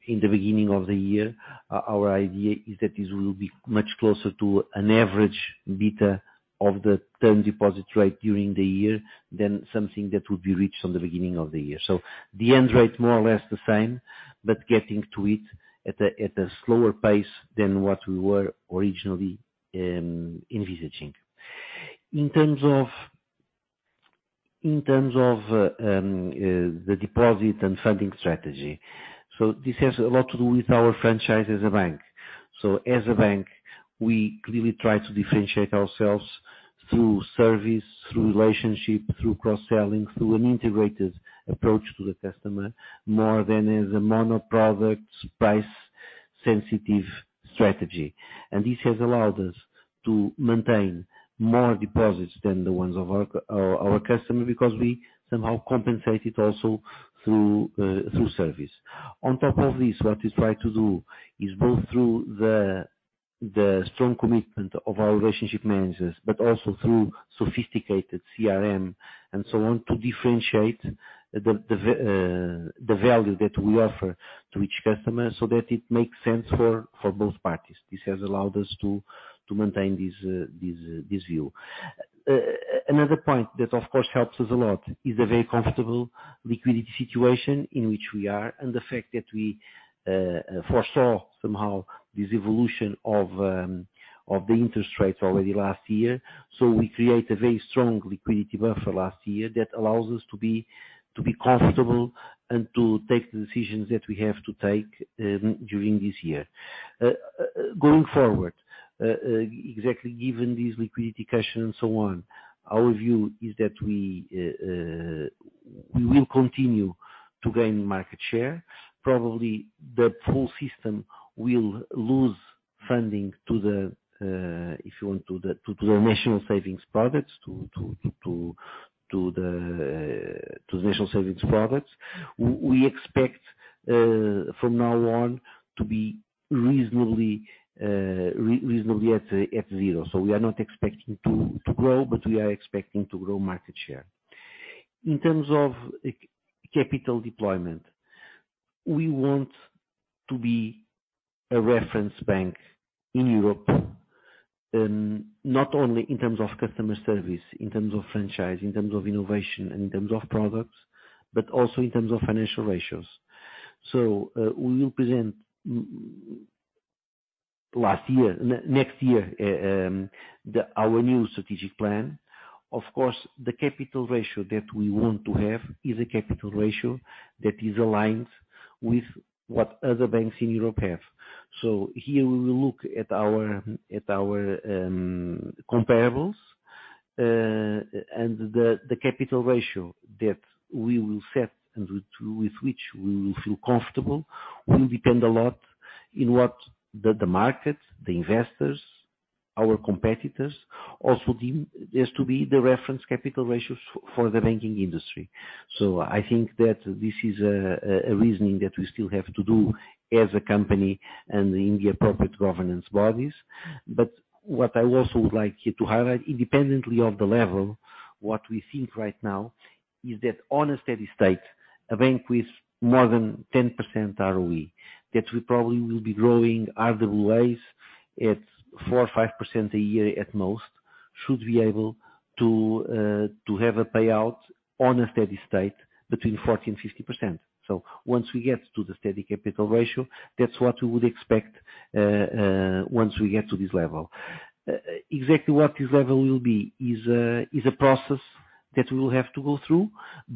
in the beginning of the year, our idea is that this will be much closer to an average beta of the term deposit rate during the year than something that will be reached on the beginning of the year. The end rate more or less the same, but getting to it at a slower pace than what we were originally envisaging. In terms of the deposit and funding strategy. This has a lot to do with our franchise as a bank. As a bank, we clearly try to differentiate ourselves through service, through relationship, through cross-selling, through an integrated approach to the customer, more than as a mono product, price sensitive strategy. This has allowed us to maintain more deposits than the ones of our customers, because we somehow compensate it also through service. On top of this, what we try to do is both through the strong commitment of our relationship managers, but also through sophisticated CRM and so on, to differentiate the value that we offer to each customer so that it makes sense for both parties. This has allowed us to maintain this view. Another point that of course helps us a lot is a very comfortable liquidity situation in which we are and the fact that we foresaw somehow this evolution of the interest rates already last year. We create a very strong liquidity buffer last year that allows us to be comfortable and to take the decisions that we have to take during this year. Going forward, exactly, given this liquidity cushion and so on, our view is that we will continue to gain market share. Probably the full system will lose funding to the, if you want to the national savings products. We expect from now on to be reasonably at zero. We are not expecting to grow, we are expecting to grow market share. In terms of capital deployment, we want to be a reference bank in Europe, not only in terms of customer service, in terms of franchise, in terms of innovation, in terms of products, but also in terms of financial ratios. We will present next year our new strategic plan. Of course, the capital ratio that we want to have is a capital ratio that is aligned with what other banks in Europe have. Here we will look at our comparables, and the capital ratio that we will set and with which we will feel comfortable will depend a lot in what the market, the investors, our competitors also deem there's to be the reference capital ratios for the banking industry. I think that this is a reasoning that we still have to do as a company and in the appropriate governance bodies. What I also would like here to highlight, independently of the level, what we think right now is that on a steady state, a bank with more than 10% ROE, that we probably will be growing RWAs at 4%-5% a year at most, should be able to have a payout on a steady state between 40%-50%. Once we get to the steady capital ratio, that's what we would expect once we get to this level. Exactly what this level will be is a process that we will have to go through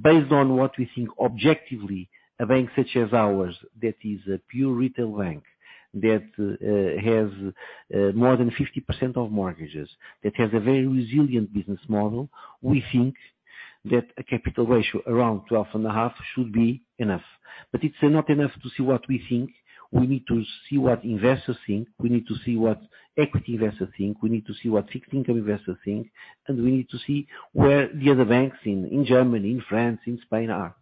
based on what we think objectively a bank such as ours, that is a pure retail bank, that has more than 50% of mortgages, that has a very resilient business model. We think that a capital ratio around 12.5% should be enough. It's not enough to see what we think. We need to see what investors think. We need to see what equity investors think. We need to see what fixed income investors think, and we need to see where the other banks in Germany, in France, in Spain are.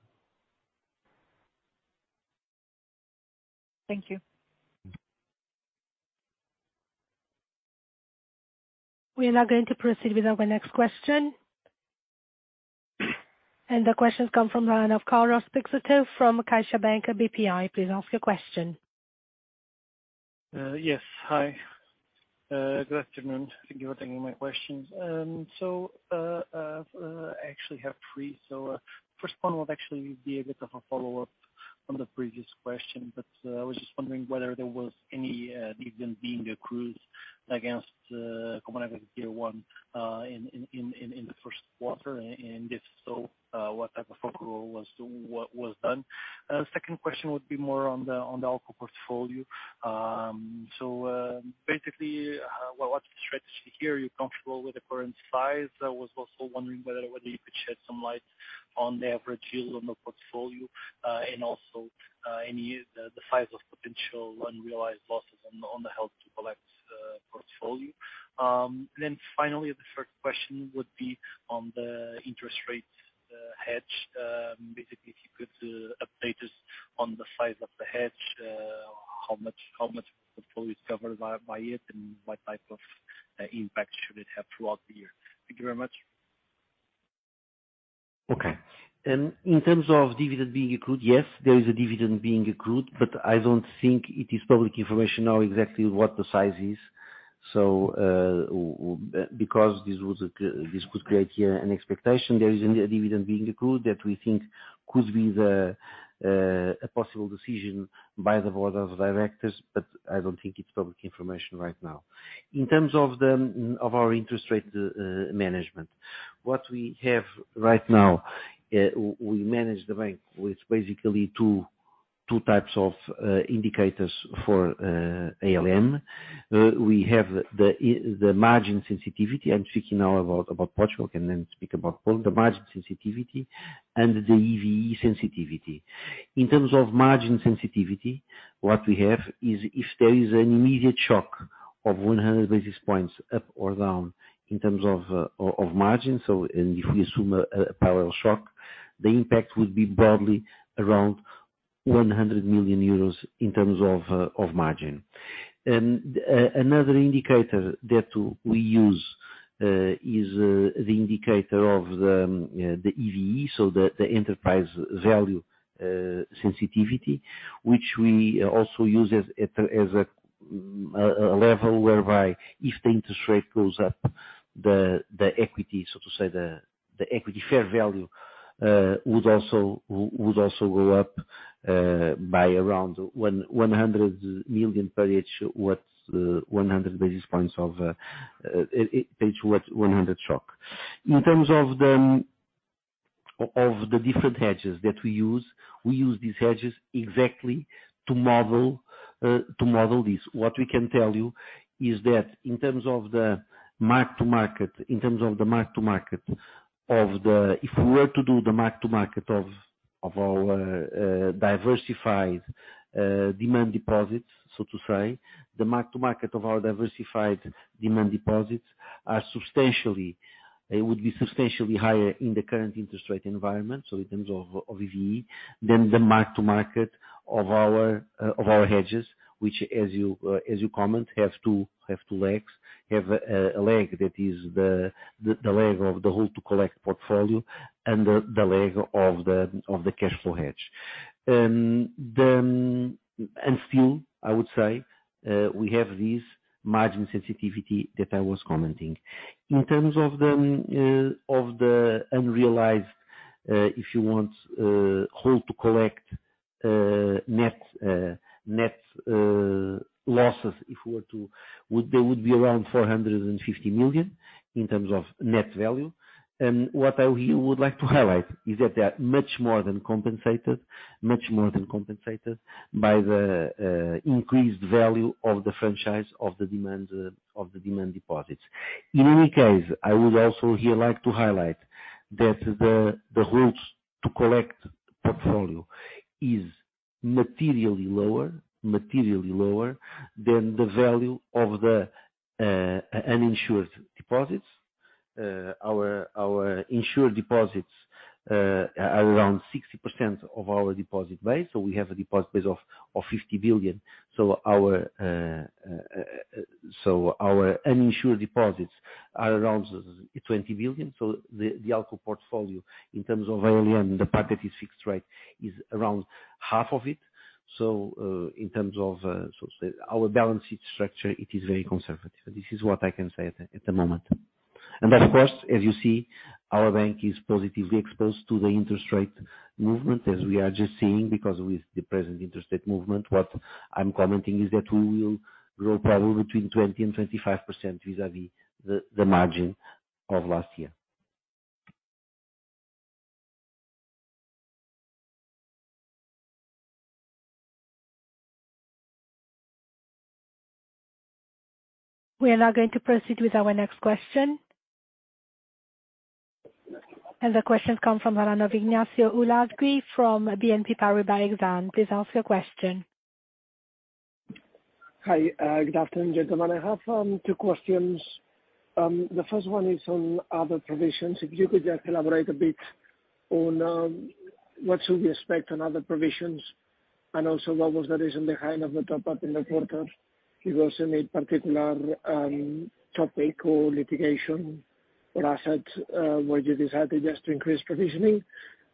Thank you. We are now going to proceed with our next question. The question comes from line of Carlos Peixoto from CaixaBank BPI. Please ask your question. Yes. Hi. Good afternoon. Thank you for taking my questions. I actually have three. First one would actually be a bit of a follow-up from the previous question. I was just wondering whether there was any dividend being accrued against Common Equity Tier 1 in the Q1. If so, what type of focal was done? Second question would be more on the ALCO portfolio. Basically, what's the strategy here? Are you comfortable with the current size? I was also wondering whether you could shed some light on the average yield on the portfolio. Also, any the size of potential unrealized losses on the held to collect portfolio. Finally, the third question would be on the interest rate hedge. Basically, if you could update us on the size of the hedge, how much of the portfolio is covered by it, and what type of impact should it have throughout the year? Thank you very much. Okay. In terms of dividend being accrued, yes, there is a dividend being accrued, but I don't think it is public information now exactly what the size is. Because this could create here an expectation there is a dividend being accrued that we think could be the a possible decision by the board of directors, but I don't think it's public information right now. In terms of the of our interest rate management, what we have right now, we manage the bank with basically two types of ALM. We have the margin sensitivity. I'm speaking now about Portugal, and then speak about Poland. The margin sensitivity and the EVE sensitivity. In terms of margin sensitivity, what we have is if there is an immediate shock of 100 basis points up or down in terms of margin, and if we assume a parallel shock, the impact would be broadly around 100 million euros in terms of margin. Another indicator that we use is the indicator of the EVE, so the enterprise value sensitivity, which we also use as a level whereby if the interest rate goes up, the equity, so to say, the equity fair value would also go up by around 100 million per each 100 basis points of each 100 shock. In terms of the different hedges that we use, we use these hedges exactly to model this. What we can tell you is that in terms of the mark-to-market, in terms of the mark-to-market of our diversified demand deposits, so to say, the mark-to-market of our diversified demand deposits it would be substantially higher in the current interest rate environment, so in terms of EVE, than the mark-to-market of our hedges, which as you comment, have two legs, have a leg that is the leg of the held to collect portfolio and the leg of the cash flow hedge. Still, I would say, we have this margin sensitivity that I was commenting. In terms of the unrealized, if you want, held to collect net losses, if we were to, they would be around 450 million in terms of net value. What I here would like to highlight is that they are much more than compensated, much more than compensated by the increased value of the franchise of the demand deposits. In any case, I would also here like to highlight that the holds to collect portfolio is materially lower, materially lower than the value of the uninsured deposits. Our insured deposits are around 60% of our deposit base. We have a deposit base of 50 billion. Our uninsured deposits are around 20 billion. The ALCO portfolio, in terms of early on the packet is fixed rate, is around half of it. In terms of our balance sheet structure, it is very conservative. This is what I can say at the moment. Of course, as you see, our bank is positively exposed to the interest rate movement, as we are just seeing because with the present interest rate movement, what I'm commenting is that we will grow probably between 20% and 25% vis-à-vis the margin of last year. We are now going to proceed with our next question. The question comes from line of Ignacio Ulargui from BNP Paribas Exane. Please ask your question. Hi. Good afternoon, gentlemen. I have two questions. The first one is on other provisions. If you could just elaborate a bit on what should we expect on other provisions and also what was the reason behind of the top-up in the quarter? It was in a particular topic or litigation or asset where you decided just to increase provisioning?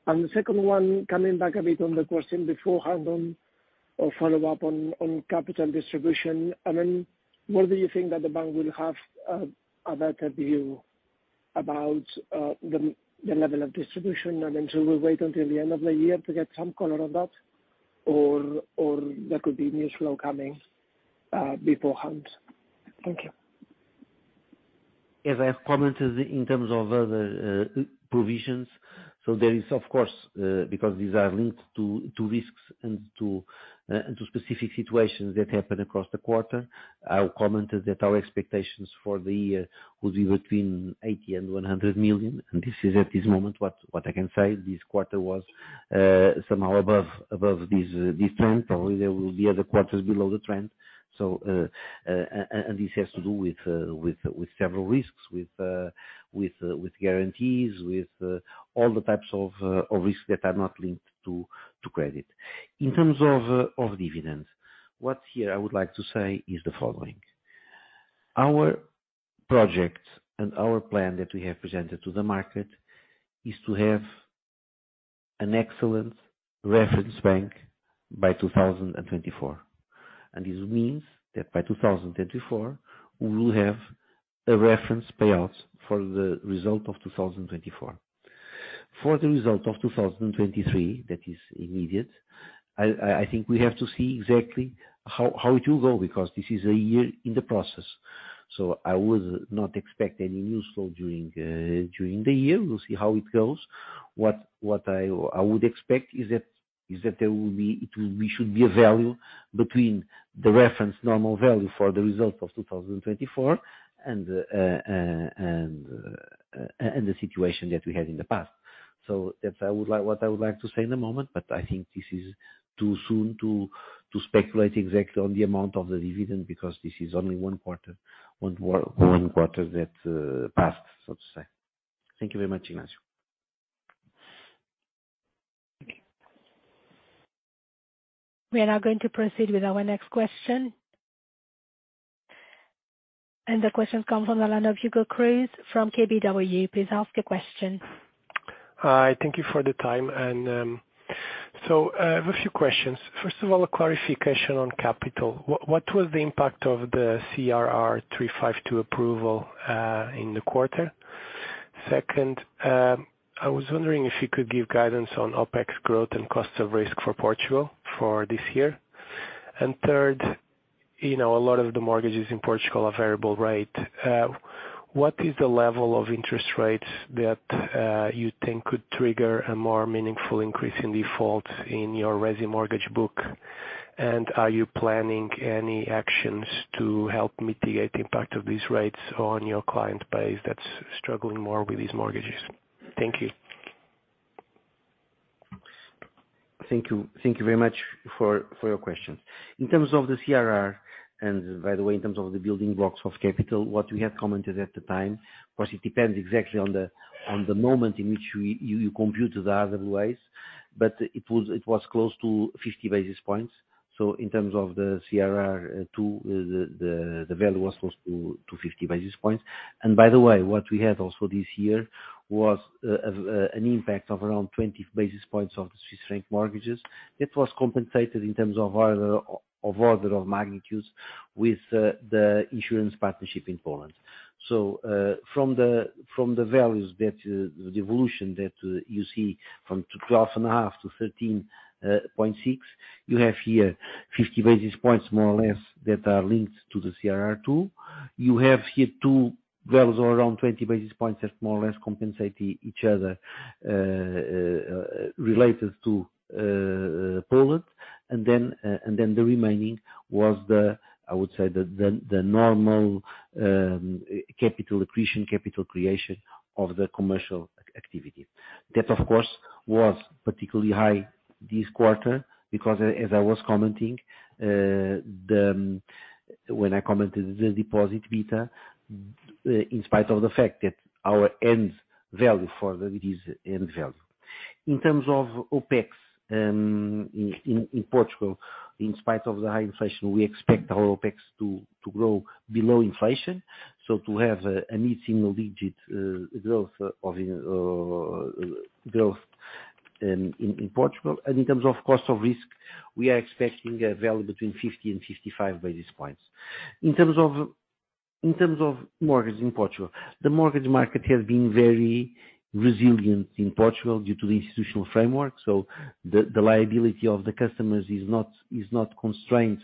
The second one, coming back a bit on the question before, add-on, or follow up on capital distribution, I mean, when do you think that the bank will have a better view about the level of distribution? I mean, should we wait until the end of the year to get some color on that or there could be news flow coming beforehand? Thank you. As I have commented in terms of other provisions, there is of course, because these are linked to risks and to, and to specific situations that happened across the quarter. I commented that our expectations for the year would be between 80 million and 100 million, and this is at this moment what I can say. This quarter was somehow above this trend. Probably there will be other quarters below the trend. This has to do with several risks, with guarantees, with all the types of risks that are not linked to credit. In terms of dividends, what here I would like to say is the following: Our project and our plan that we have presented to the market is to have an excellent reference bank by 2024. This means that by 2024, we will have a reference payouts for the result of 2024. For the result of 2023, that is immediate, I think we have to see exactly how it will go because this is a year in the process. I would not expect any useful during the year. We'll see how it goes. What I would expect is that we should be a value between the reference normal value for the result of 2024 and the situation that we had in the past. What I would like to say in the moment, but I think this is too soon to speculate exactly on the amount of the dividend, because this is only one quarter that passed, so to say. Thank you very much, Ignacio. We are now going to proceed with our next question. The question comes from the line of Hugo Cruz from KBW. Please ask your question. Hi, thank you for the time. I have a few questions. First of all, a clarification on capital. What was the impact of the CRR 352 approval in the quarter? Second, I was wondering if you could give guidance on OpEx growth and cost of risk for Portugal for this year. Third, you know, a lot of the mortgages in Portugal are variable rate. What is the level of interest rates that you think could trigger a more meaningful increase in default in your resi mortgage book? Are you planning any actions to help mitigate the impact of these rates on your client base that's struggling more with these mortgages? Thank you. Thank you. Thank you very much for your question. In terms of the CRR, in terms of the building blocks of capital, what we have commented at the time, was it depends exactly on the moment in which you compute the RWAs, but it was close to 50 basis points. In terms of the CRR 2, the value was close to 50 basis points. By the way, what we had also this year was an impact of around 20 basis points of the Swiss franc mortgages. That was compensated in terms of order of magnitudes with the insurance partnership in Poland. From the, from the values that, the evolution that you see from 12.5 to 13.6, you have here 50 basis points more or less that are linked to the CRR2. You have here two values around 20 basis points that more or less compensate each other, related to Poland. The remaining was the, I would say the, the normal capital accretion, capital creation of the commercial activity. That, of course, was particularly high this quarter because as I was commenting, when I commented the deposit beta, in spite of the fact that our end value for that it is end value. In terms of OPEX, in Portugal, in spite of the high inflation, we expect our OPEX to grow below inflation. To have a mid-single-digit growth in Portugal. In terms of cost of risk, we are expecting a value between 50 and 55 basis points. In terms of mortgage in Portugal, the mortgage market has been very resilient in Portugal due to the institutional framework. The liability of the customers is not constrained,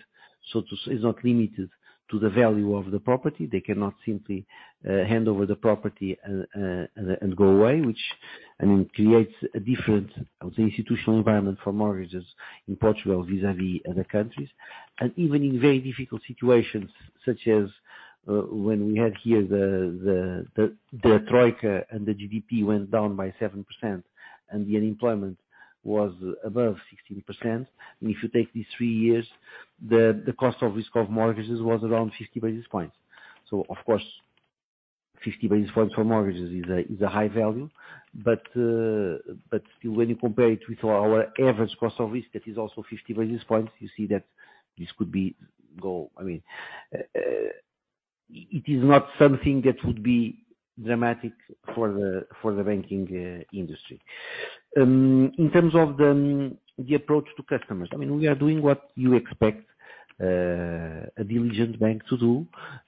is not limited to the value of the property. They cannot simply hand over the property and go away, which, I mean, creates a different, I would say, institutional environment for mortgages in Portugal vis-a-vis other countries. Even in very difficult situations, such as when we had here the troika and the GDP went down by 7% and the unemployment was above 16%. If you take these 3 years, the cost of risk of mortgages was around 50 basis points. Of course, 50 basis points for mortgages is a high value. Still, when you compare it with our average cost of risk, that is also 50 basis points, you see that this could be I mean, it is not something that would be dramatic for the banking industry. In terms of the approach to customers, I mean, we are doing what you expect a diligent bank to do,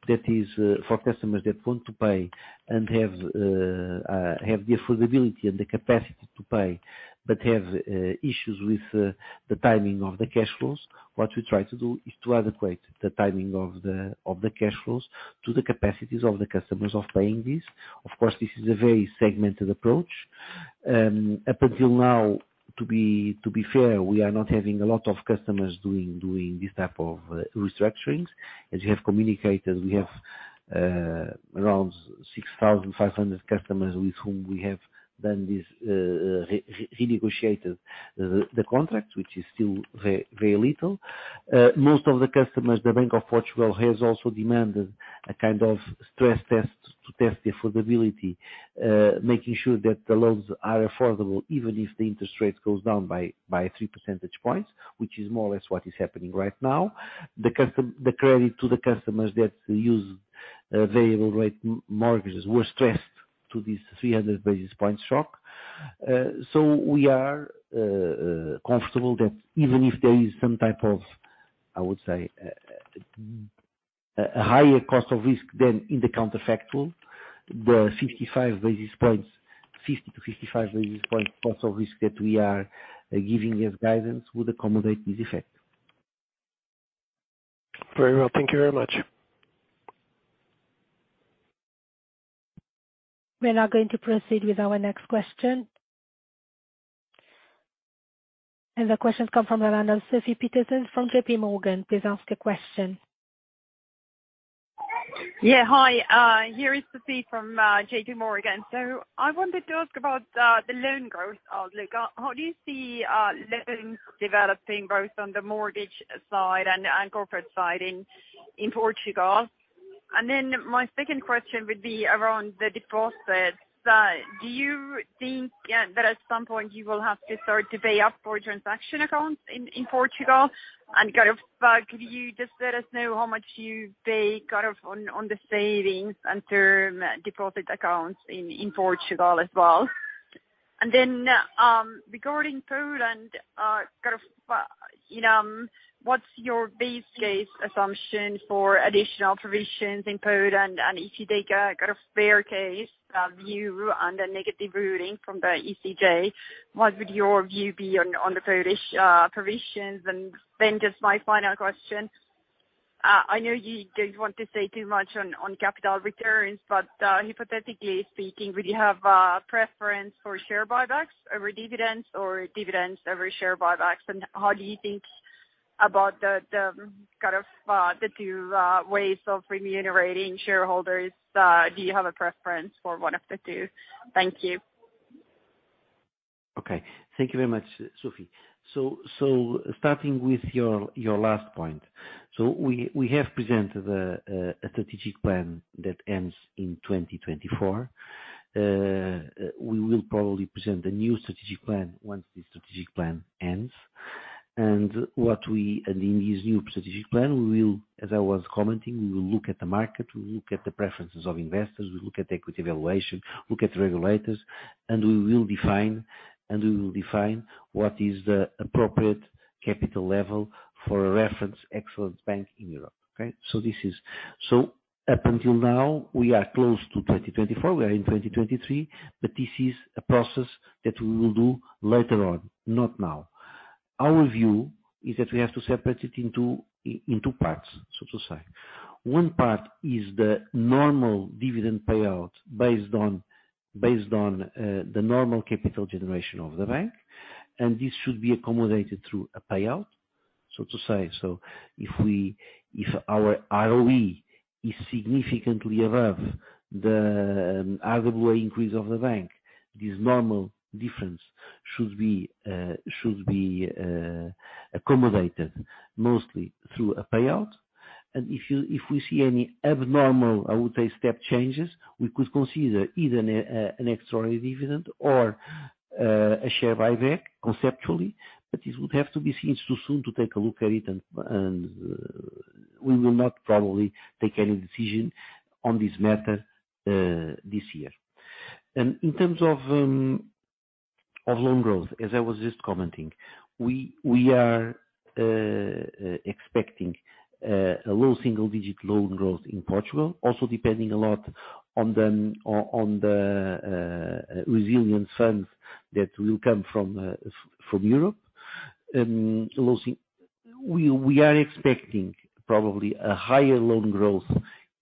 that is, for customers that want to pay and have the affordability and the capacity to pay, but have issues with the timing of the cash flows. What we try to do is to adequate the timing of the cash flows to the capacities of the customers of paying this. Of course, this is a very segmented approach. Up until now, to be fair, we are not having a lot of customers doing this type of restructurings. As you have communicated, we have around 6,500 customers with whom we have done this renegotiated the contract, which is still very, very little. Most of the customers, the Bank of Portugal, has also demanded a kind of stress test to test the affordability, making sure that the loans are affordable, even if the interest rate goes down by 3 percentage points, which is more or less what is happening right now. The credit to the customers that use variable rate mortgages were stressed to this 300 basis points shock. We are comfortable that even if there is some type of I would say, a higher cost of risk than in the counterfactual. The 55 basis points, 50-55 basis points cost of risk that we are giving as guidance would accommodate this effect. Very well. Thank You very much. We're now going to proceed with our next question. The question comes from the line of Sofie Peterzens from JPMorgan. Please ask your question. Yeah. Hi, here is Sofie from JPMorgan. I wanted to ask about the loan growth outlook. How do you see loans developing both on the mortgage side and corporate side in Portugal? My second question would be around the deposits. Do you think, yeah, that at some point you will have to start to pay up for transaction accounts in Portugal? Kind of, could you just let us know how much you pay, kind of, on the savings and term deposit accounts in Portugal as well? Regarding Poland, kind of, you know, what's your base case assumption for additional provisions in Poland? If you take a fair case view on the negative ruling from the ECJ, what would your view be on the Polish provisions? Just my final question, I know you don't want to say too much on capital returns, but hypothetically speaking, would you have a preference for share buybacks over dividends or dividends over share buybacks? How do you think about the kind of the two ways of remunerating shareholders? Do you have a preference for one of the two? Thank you. Thank you very much, Sophie. Starting with your last point. We have presented a strategic plan that ends in 2024. We will probably present a new strategic plan once this strategic plan ends. In this new strategic plan, we will, as I was commenting, look at the market, we will look at the preferences of investors, we will look at equity valuation, look at regulators, and we will define what is the appropriate capital level for a reference excellent bank in Europe. Okay. This is. Up until now, we are close to 2024. We are in 2023. This is a process that we will do later on, not now. Our view is that we have to separate it in two parts, so to say. One part is the normal dividend payout based on, the normal capital generation of the bank, and this should be accommodated through a payout. To say, if we, if our ROE is significantly above the RWA increase of the bank, this normal difference should be accommodated mostly through a payout. If you, if we see any abnormal, I would say, step changes, we could consider either an extraordinary dividend or a share buyback conceptually. This would have to be seen so soon to take a look at it and we will not probably take any decision on this matter this year. In terms of loan growth, as I was just commenting, we are expecting a low single-digit loan growth in Portugal, also depending a lot on the resilience funds that will come from Europe. We are expecting probably a higher loan growth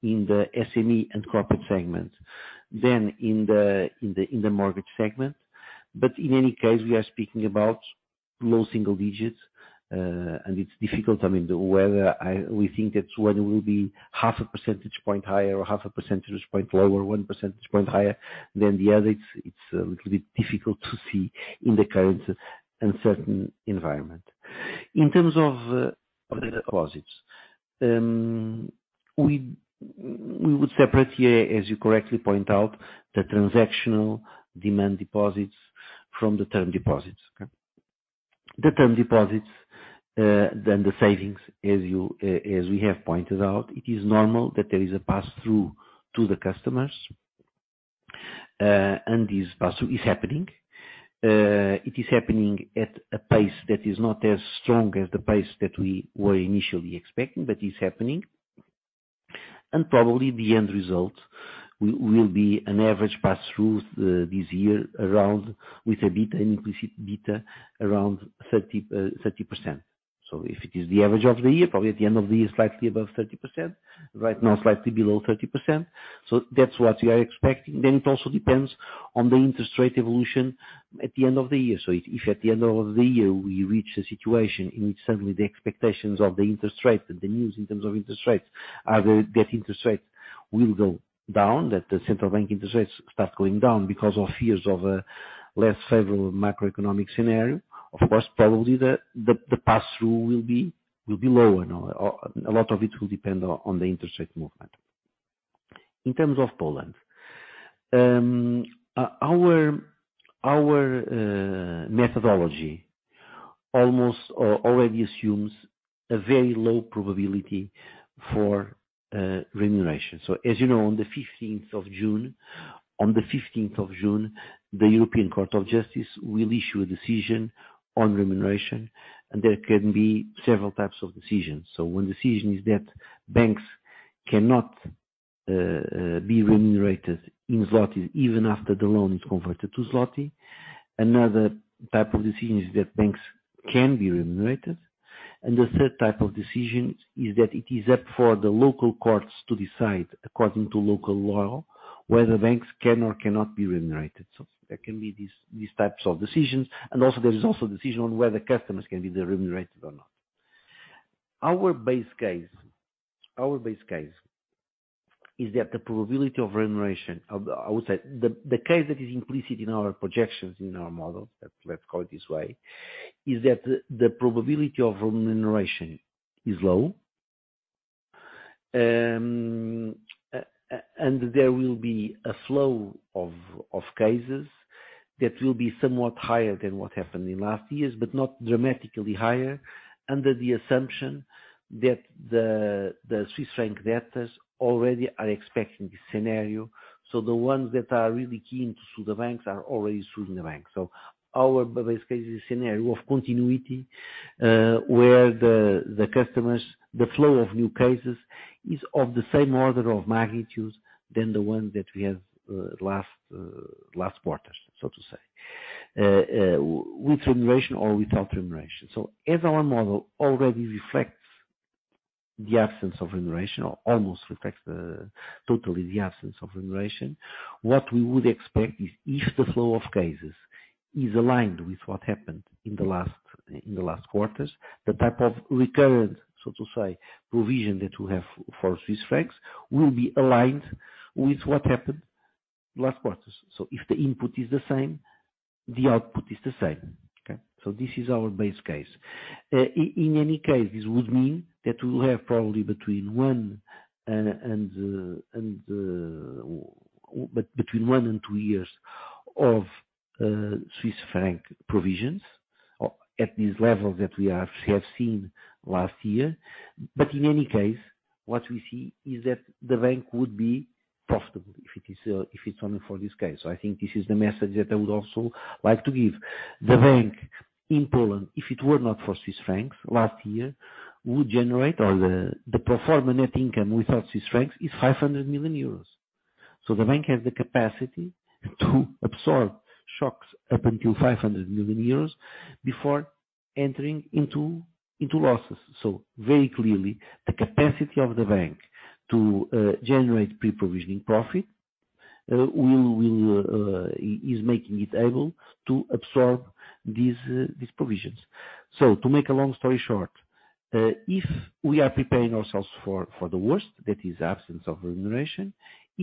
in the SME and corporate segment than in the mortgage segment. In any case, we are speaking about low single-digits, and it's difficult. I mean, whether we think that whether it will be half a percentage point higher or half a percentage point lower, one percentage point higher than the other, it's a little bit difficult to see in the current uncertain environment. In terms of the deposits, we would separate here, as you correctly point out, the transactional demand deposits from the term deposits. The term deposits, then the savings, as you, as we have pointed out, it is normal that there is a pass-through to the customers, and this pass-through is happening. It is happening at a pace that is not as strong as the pace that we were initially expecting, but is happening. Probably the end result will be an average pass-through this year around with a bit implicit beta around 30%. If it is the average of the year, probably at the end of the year, slightly above 30%. Right now, slightly below 30%. That's what we are expecting. It also depends on the interest rate evolution at the end of the year. If at the end of the year, we reach a situation in which suddenly the expectations of the interest rate and the news in terms of interest rates are that interest rates will go down, that the central bank interest rates start going down because of fears of a less favorable macroeconomic scenario, of course, probably the pass-through will be lower. A lot of it will depend on the interest rate movement. In terms of Poland, our methodology almost already assumes a very low probability for remuneration. As you know, on the 15th of June, on the 15th of June, the European Court of Justice will issue a decision on remuneration, and there can be several types of decisions. One decision is that banks cannot be remunerated in zlotys even after the loan is converted to zloty. Another type of decision is that banks can be remunerated. The third type of decision is that it is up for the local courts to decide, according to local law, whether banks can or cannot be remunerated. There can be these types of decisions. Also there is also a decision on whether customers can be remunerated or not. Our base case is that the probability of remuneration of I would say the case that is implicit in our projections, in our models, let's call it this way, is that the probability of remuneration is low. There will be a flow of cases that will be somewhat higher than what happened in last years, but not dramatically higher, under the assumption that the Swiss franc debtors already are expecting this scenario. The ones that are really keen to sue the banks are already suing the banks. Our base case is a scenario of continuity, where the customers, the flow of new cases is of the same order of magnitudes than the ones that we had last quarters, so to say. With remuneration or without remuneration. As our model already reflects totally the absence of remuneration, or almost reflects totally the absence of remuneration, what we would expect is if the flow of cases is aligned with what happened in the last quarters, the type of recurrent, so to say, provision that we have for Swiss franc will be aligned with what happened last quarters. If the input is the same, the output is the same. Okay? This is our base case. In any case, this would mean that we'll have probably between one and two years of Swiss franc provisions or at these levels that we have seen last year. In any case, what we see is that the bank would be profitable if it is if it's only for this case. I think this is the message that I would also like to give. The bank in Poland, if it were not for Swiss francs last year, would generate all the pro forma net income without Swiss francs is 500 million euros. The bank has the capacity to absorb shocks up until 500 million euros before entering into losses. Very clearly, the capacity of the bank to generate pre-provisioning profit will is making it able to absorb these provisions. To make a long story short, if we are preparing ourselves for the worst, that is absence of remuneration.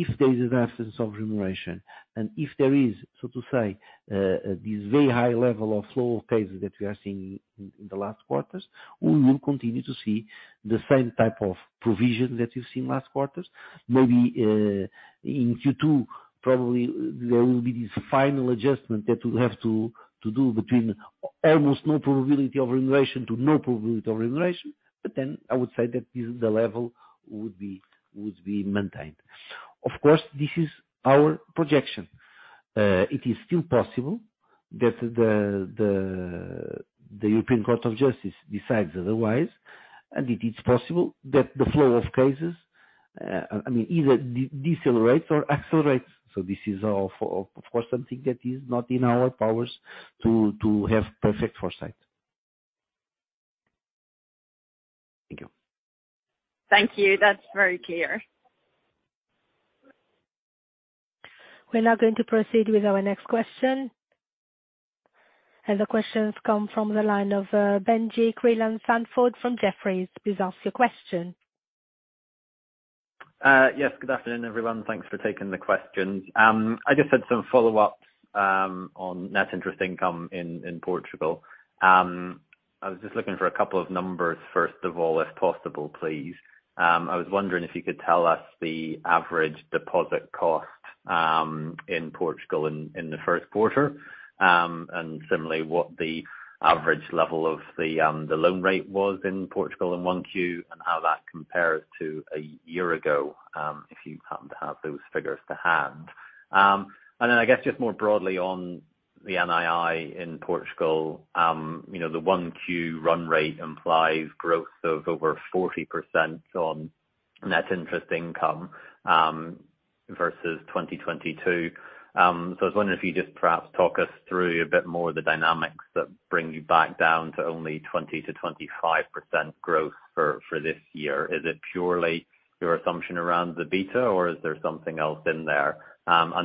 If there is an absence of remuneration, and if there is, so to say, this very high level of flow of cases that we are seeing in the last quarters, we will continue to see the same type of provisions that you've seen last quarters. Maybe, in Q2, probably there will be this final adjustment that we'll have to do between almost no probability of remuneration to no probability of remuneration. I would say that this is the level would be maintained. Of course, this is our projection. It is still possible that the European Court of Justice decides otherwise, and it is possible that the flow of cases, I mean, either decelerates or accelerates. This is all for something that is not in our powers to have perfect foresight. Thank you. Thank you. That's very clear. We're now going to proceed with our next question. The question has come from the line of Benjie Creelan-Sandford from Jefferies. Please ask your question. Yes, good afternoon, everyone. Thanks for taking the questions. I just had some follow-ups on net interest income in Portugal. I was just looking for a couple of numbers, first of all, if possible, please. I was wondering if you could tell us the average deposit cost in Portugal in the Q1, and similarly, what the average level of the loan rate was in Portugal in one Q and how that compares to a year ago, if you happen to have those figures to hand. I guess just more broadly on the NII in Portugal, you know, the one Q run rate implies growth of over 40% on net interest income versus 2022. I was wondering if you could just perhaps talk us through a bit more the dynamics that bring you back down to only 20%-25% growth for this year. Is it purely your assumption around the beta, or is there something else in there?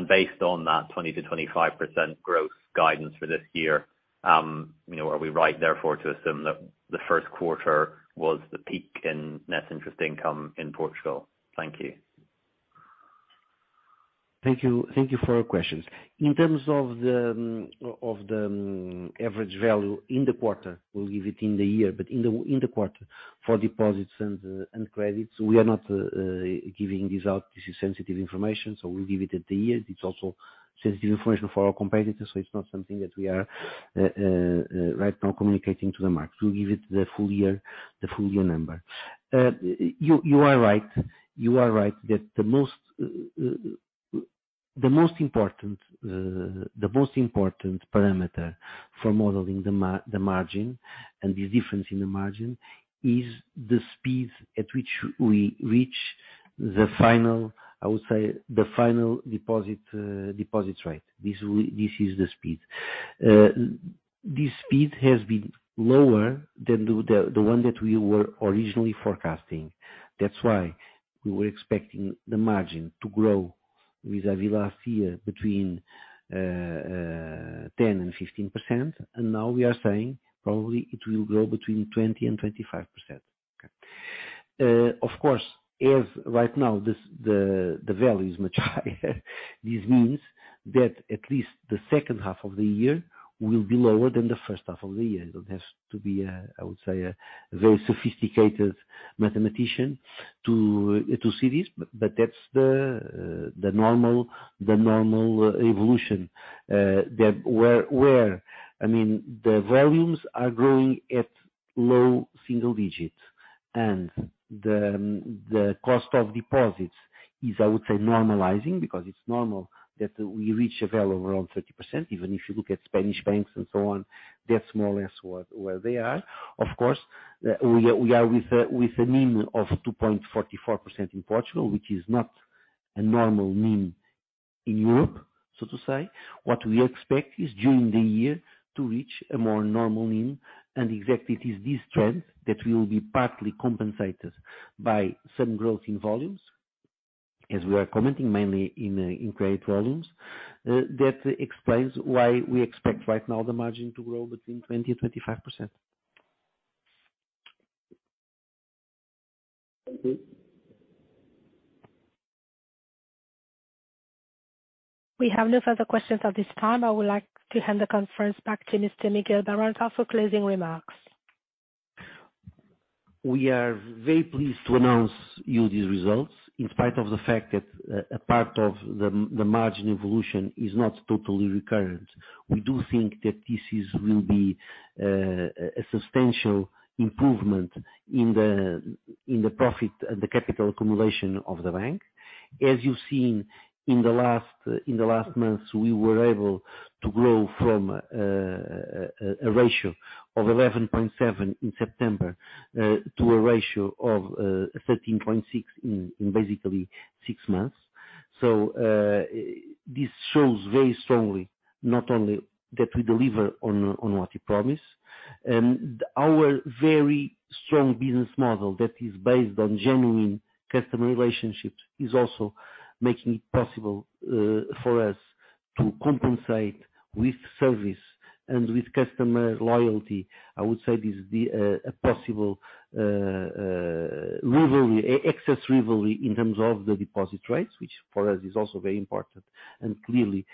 Based on that 20%-25% growth guidance for this year, you know, are we right therefore to assume that the Q1 was the peak in net interest income in Portugal? Thank you. Thank you. Thank you for your questions. In terms of the, of the, average value in the quarter, we'll leave it in the year, but in the quarter, for deposits and credits, we are not giving this out. This is sensitive information, so we'll give it at the year. It's also sensitive information for our competitors, so it's not something that we are right now communicating to the market. We'll give it the full year number. You are right. You are right that the most important parameter for modeling the margin and the difference in the margin is the speed at which we reach the final, I would say, the final deposit rate. This is the speed. This speed has been lower than the one that we were originally forecasting. That's why we were expecting the margin to grow vis-a-vis last year between 10% and 15%, and now we are saying probably it will grow between 20% and 25%. Of course, as right now, the value is much higher, this means that at least the second half of the year will be lower than the first half of the year. You don't have to be, I would say, a very sophisticated mathematician to see this, but that's the normal, the normal evolution, I mean, the volumes are growing at low single digits and the cost of deposits is, I would say, normalizing, because it's normal that we reach a value around 30%. Even if you look at Spanish banks and so on, that's more or less what, where they are. Of course, we are with a mean of 2.44% in Portugal, which is not a normal mean in Europe, so to say. What we expect is, during the year, to reach a more normal mean. Exactly it is this trend that will be partly compensated by some growth in volumes, as we are commenting mainly in credit volumes. That explains why we expect right now the margin to grow between 20%-25%. Thank you. We have no further questions at this time. I would like to hand the conference back to Mr. Miguel Bragança for closing remarks. We are very pleased to announce you these results. In spite of the fact that a part of the margin evolution is not totally recurrent, we do think that this will be a substantial improvement in the profit and the capital accumulation of the bank. As you've seen in the last months, we were able to grow from a ratio of 11.7 in September to a ratio of 13.6 in basically six months. This shows very strongly not only that we deliver on what we promise, our very strong business model that is based on genuine customer relationships is also making it possible for us to compensate with service and with customer loyalty. I would say this is the a possible rivalry, excess rivalry in terms of the deposit rates, which for us is also very important and clearly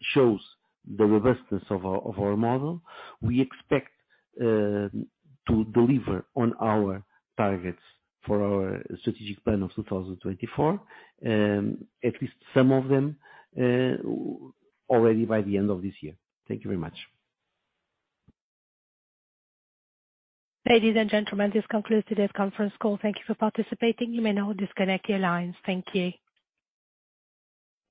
shows the robustness of our model. We expect to deliver on our targets for our strategic plan of 2024, at least some of them already by the end of this year. Thank you very much. Ladies and gentlemen, this concludes today's conference call. Thank you for participating. You may now disconnect your lines. Thank you.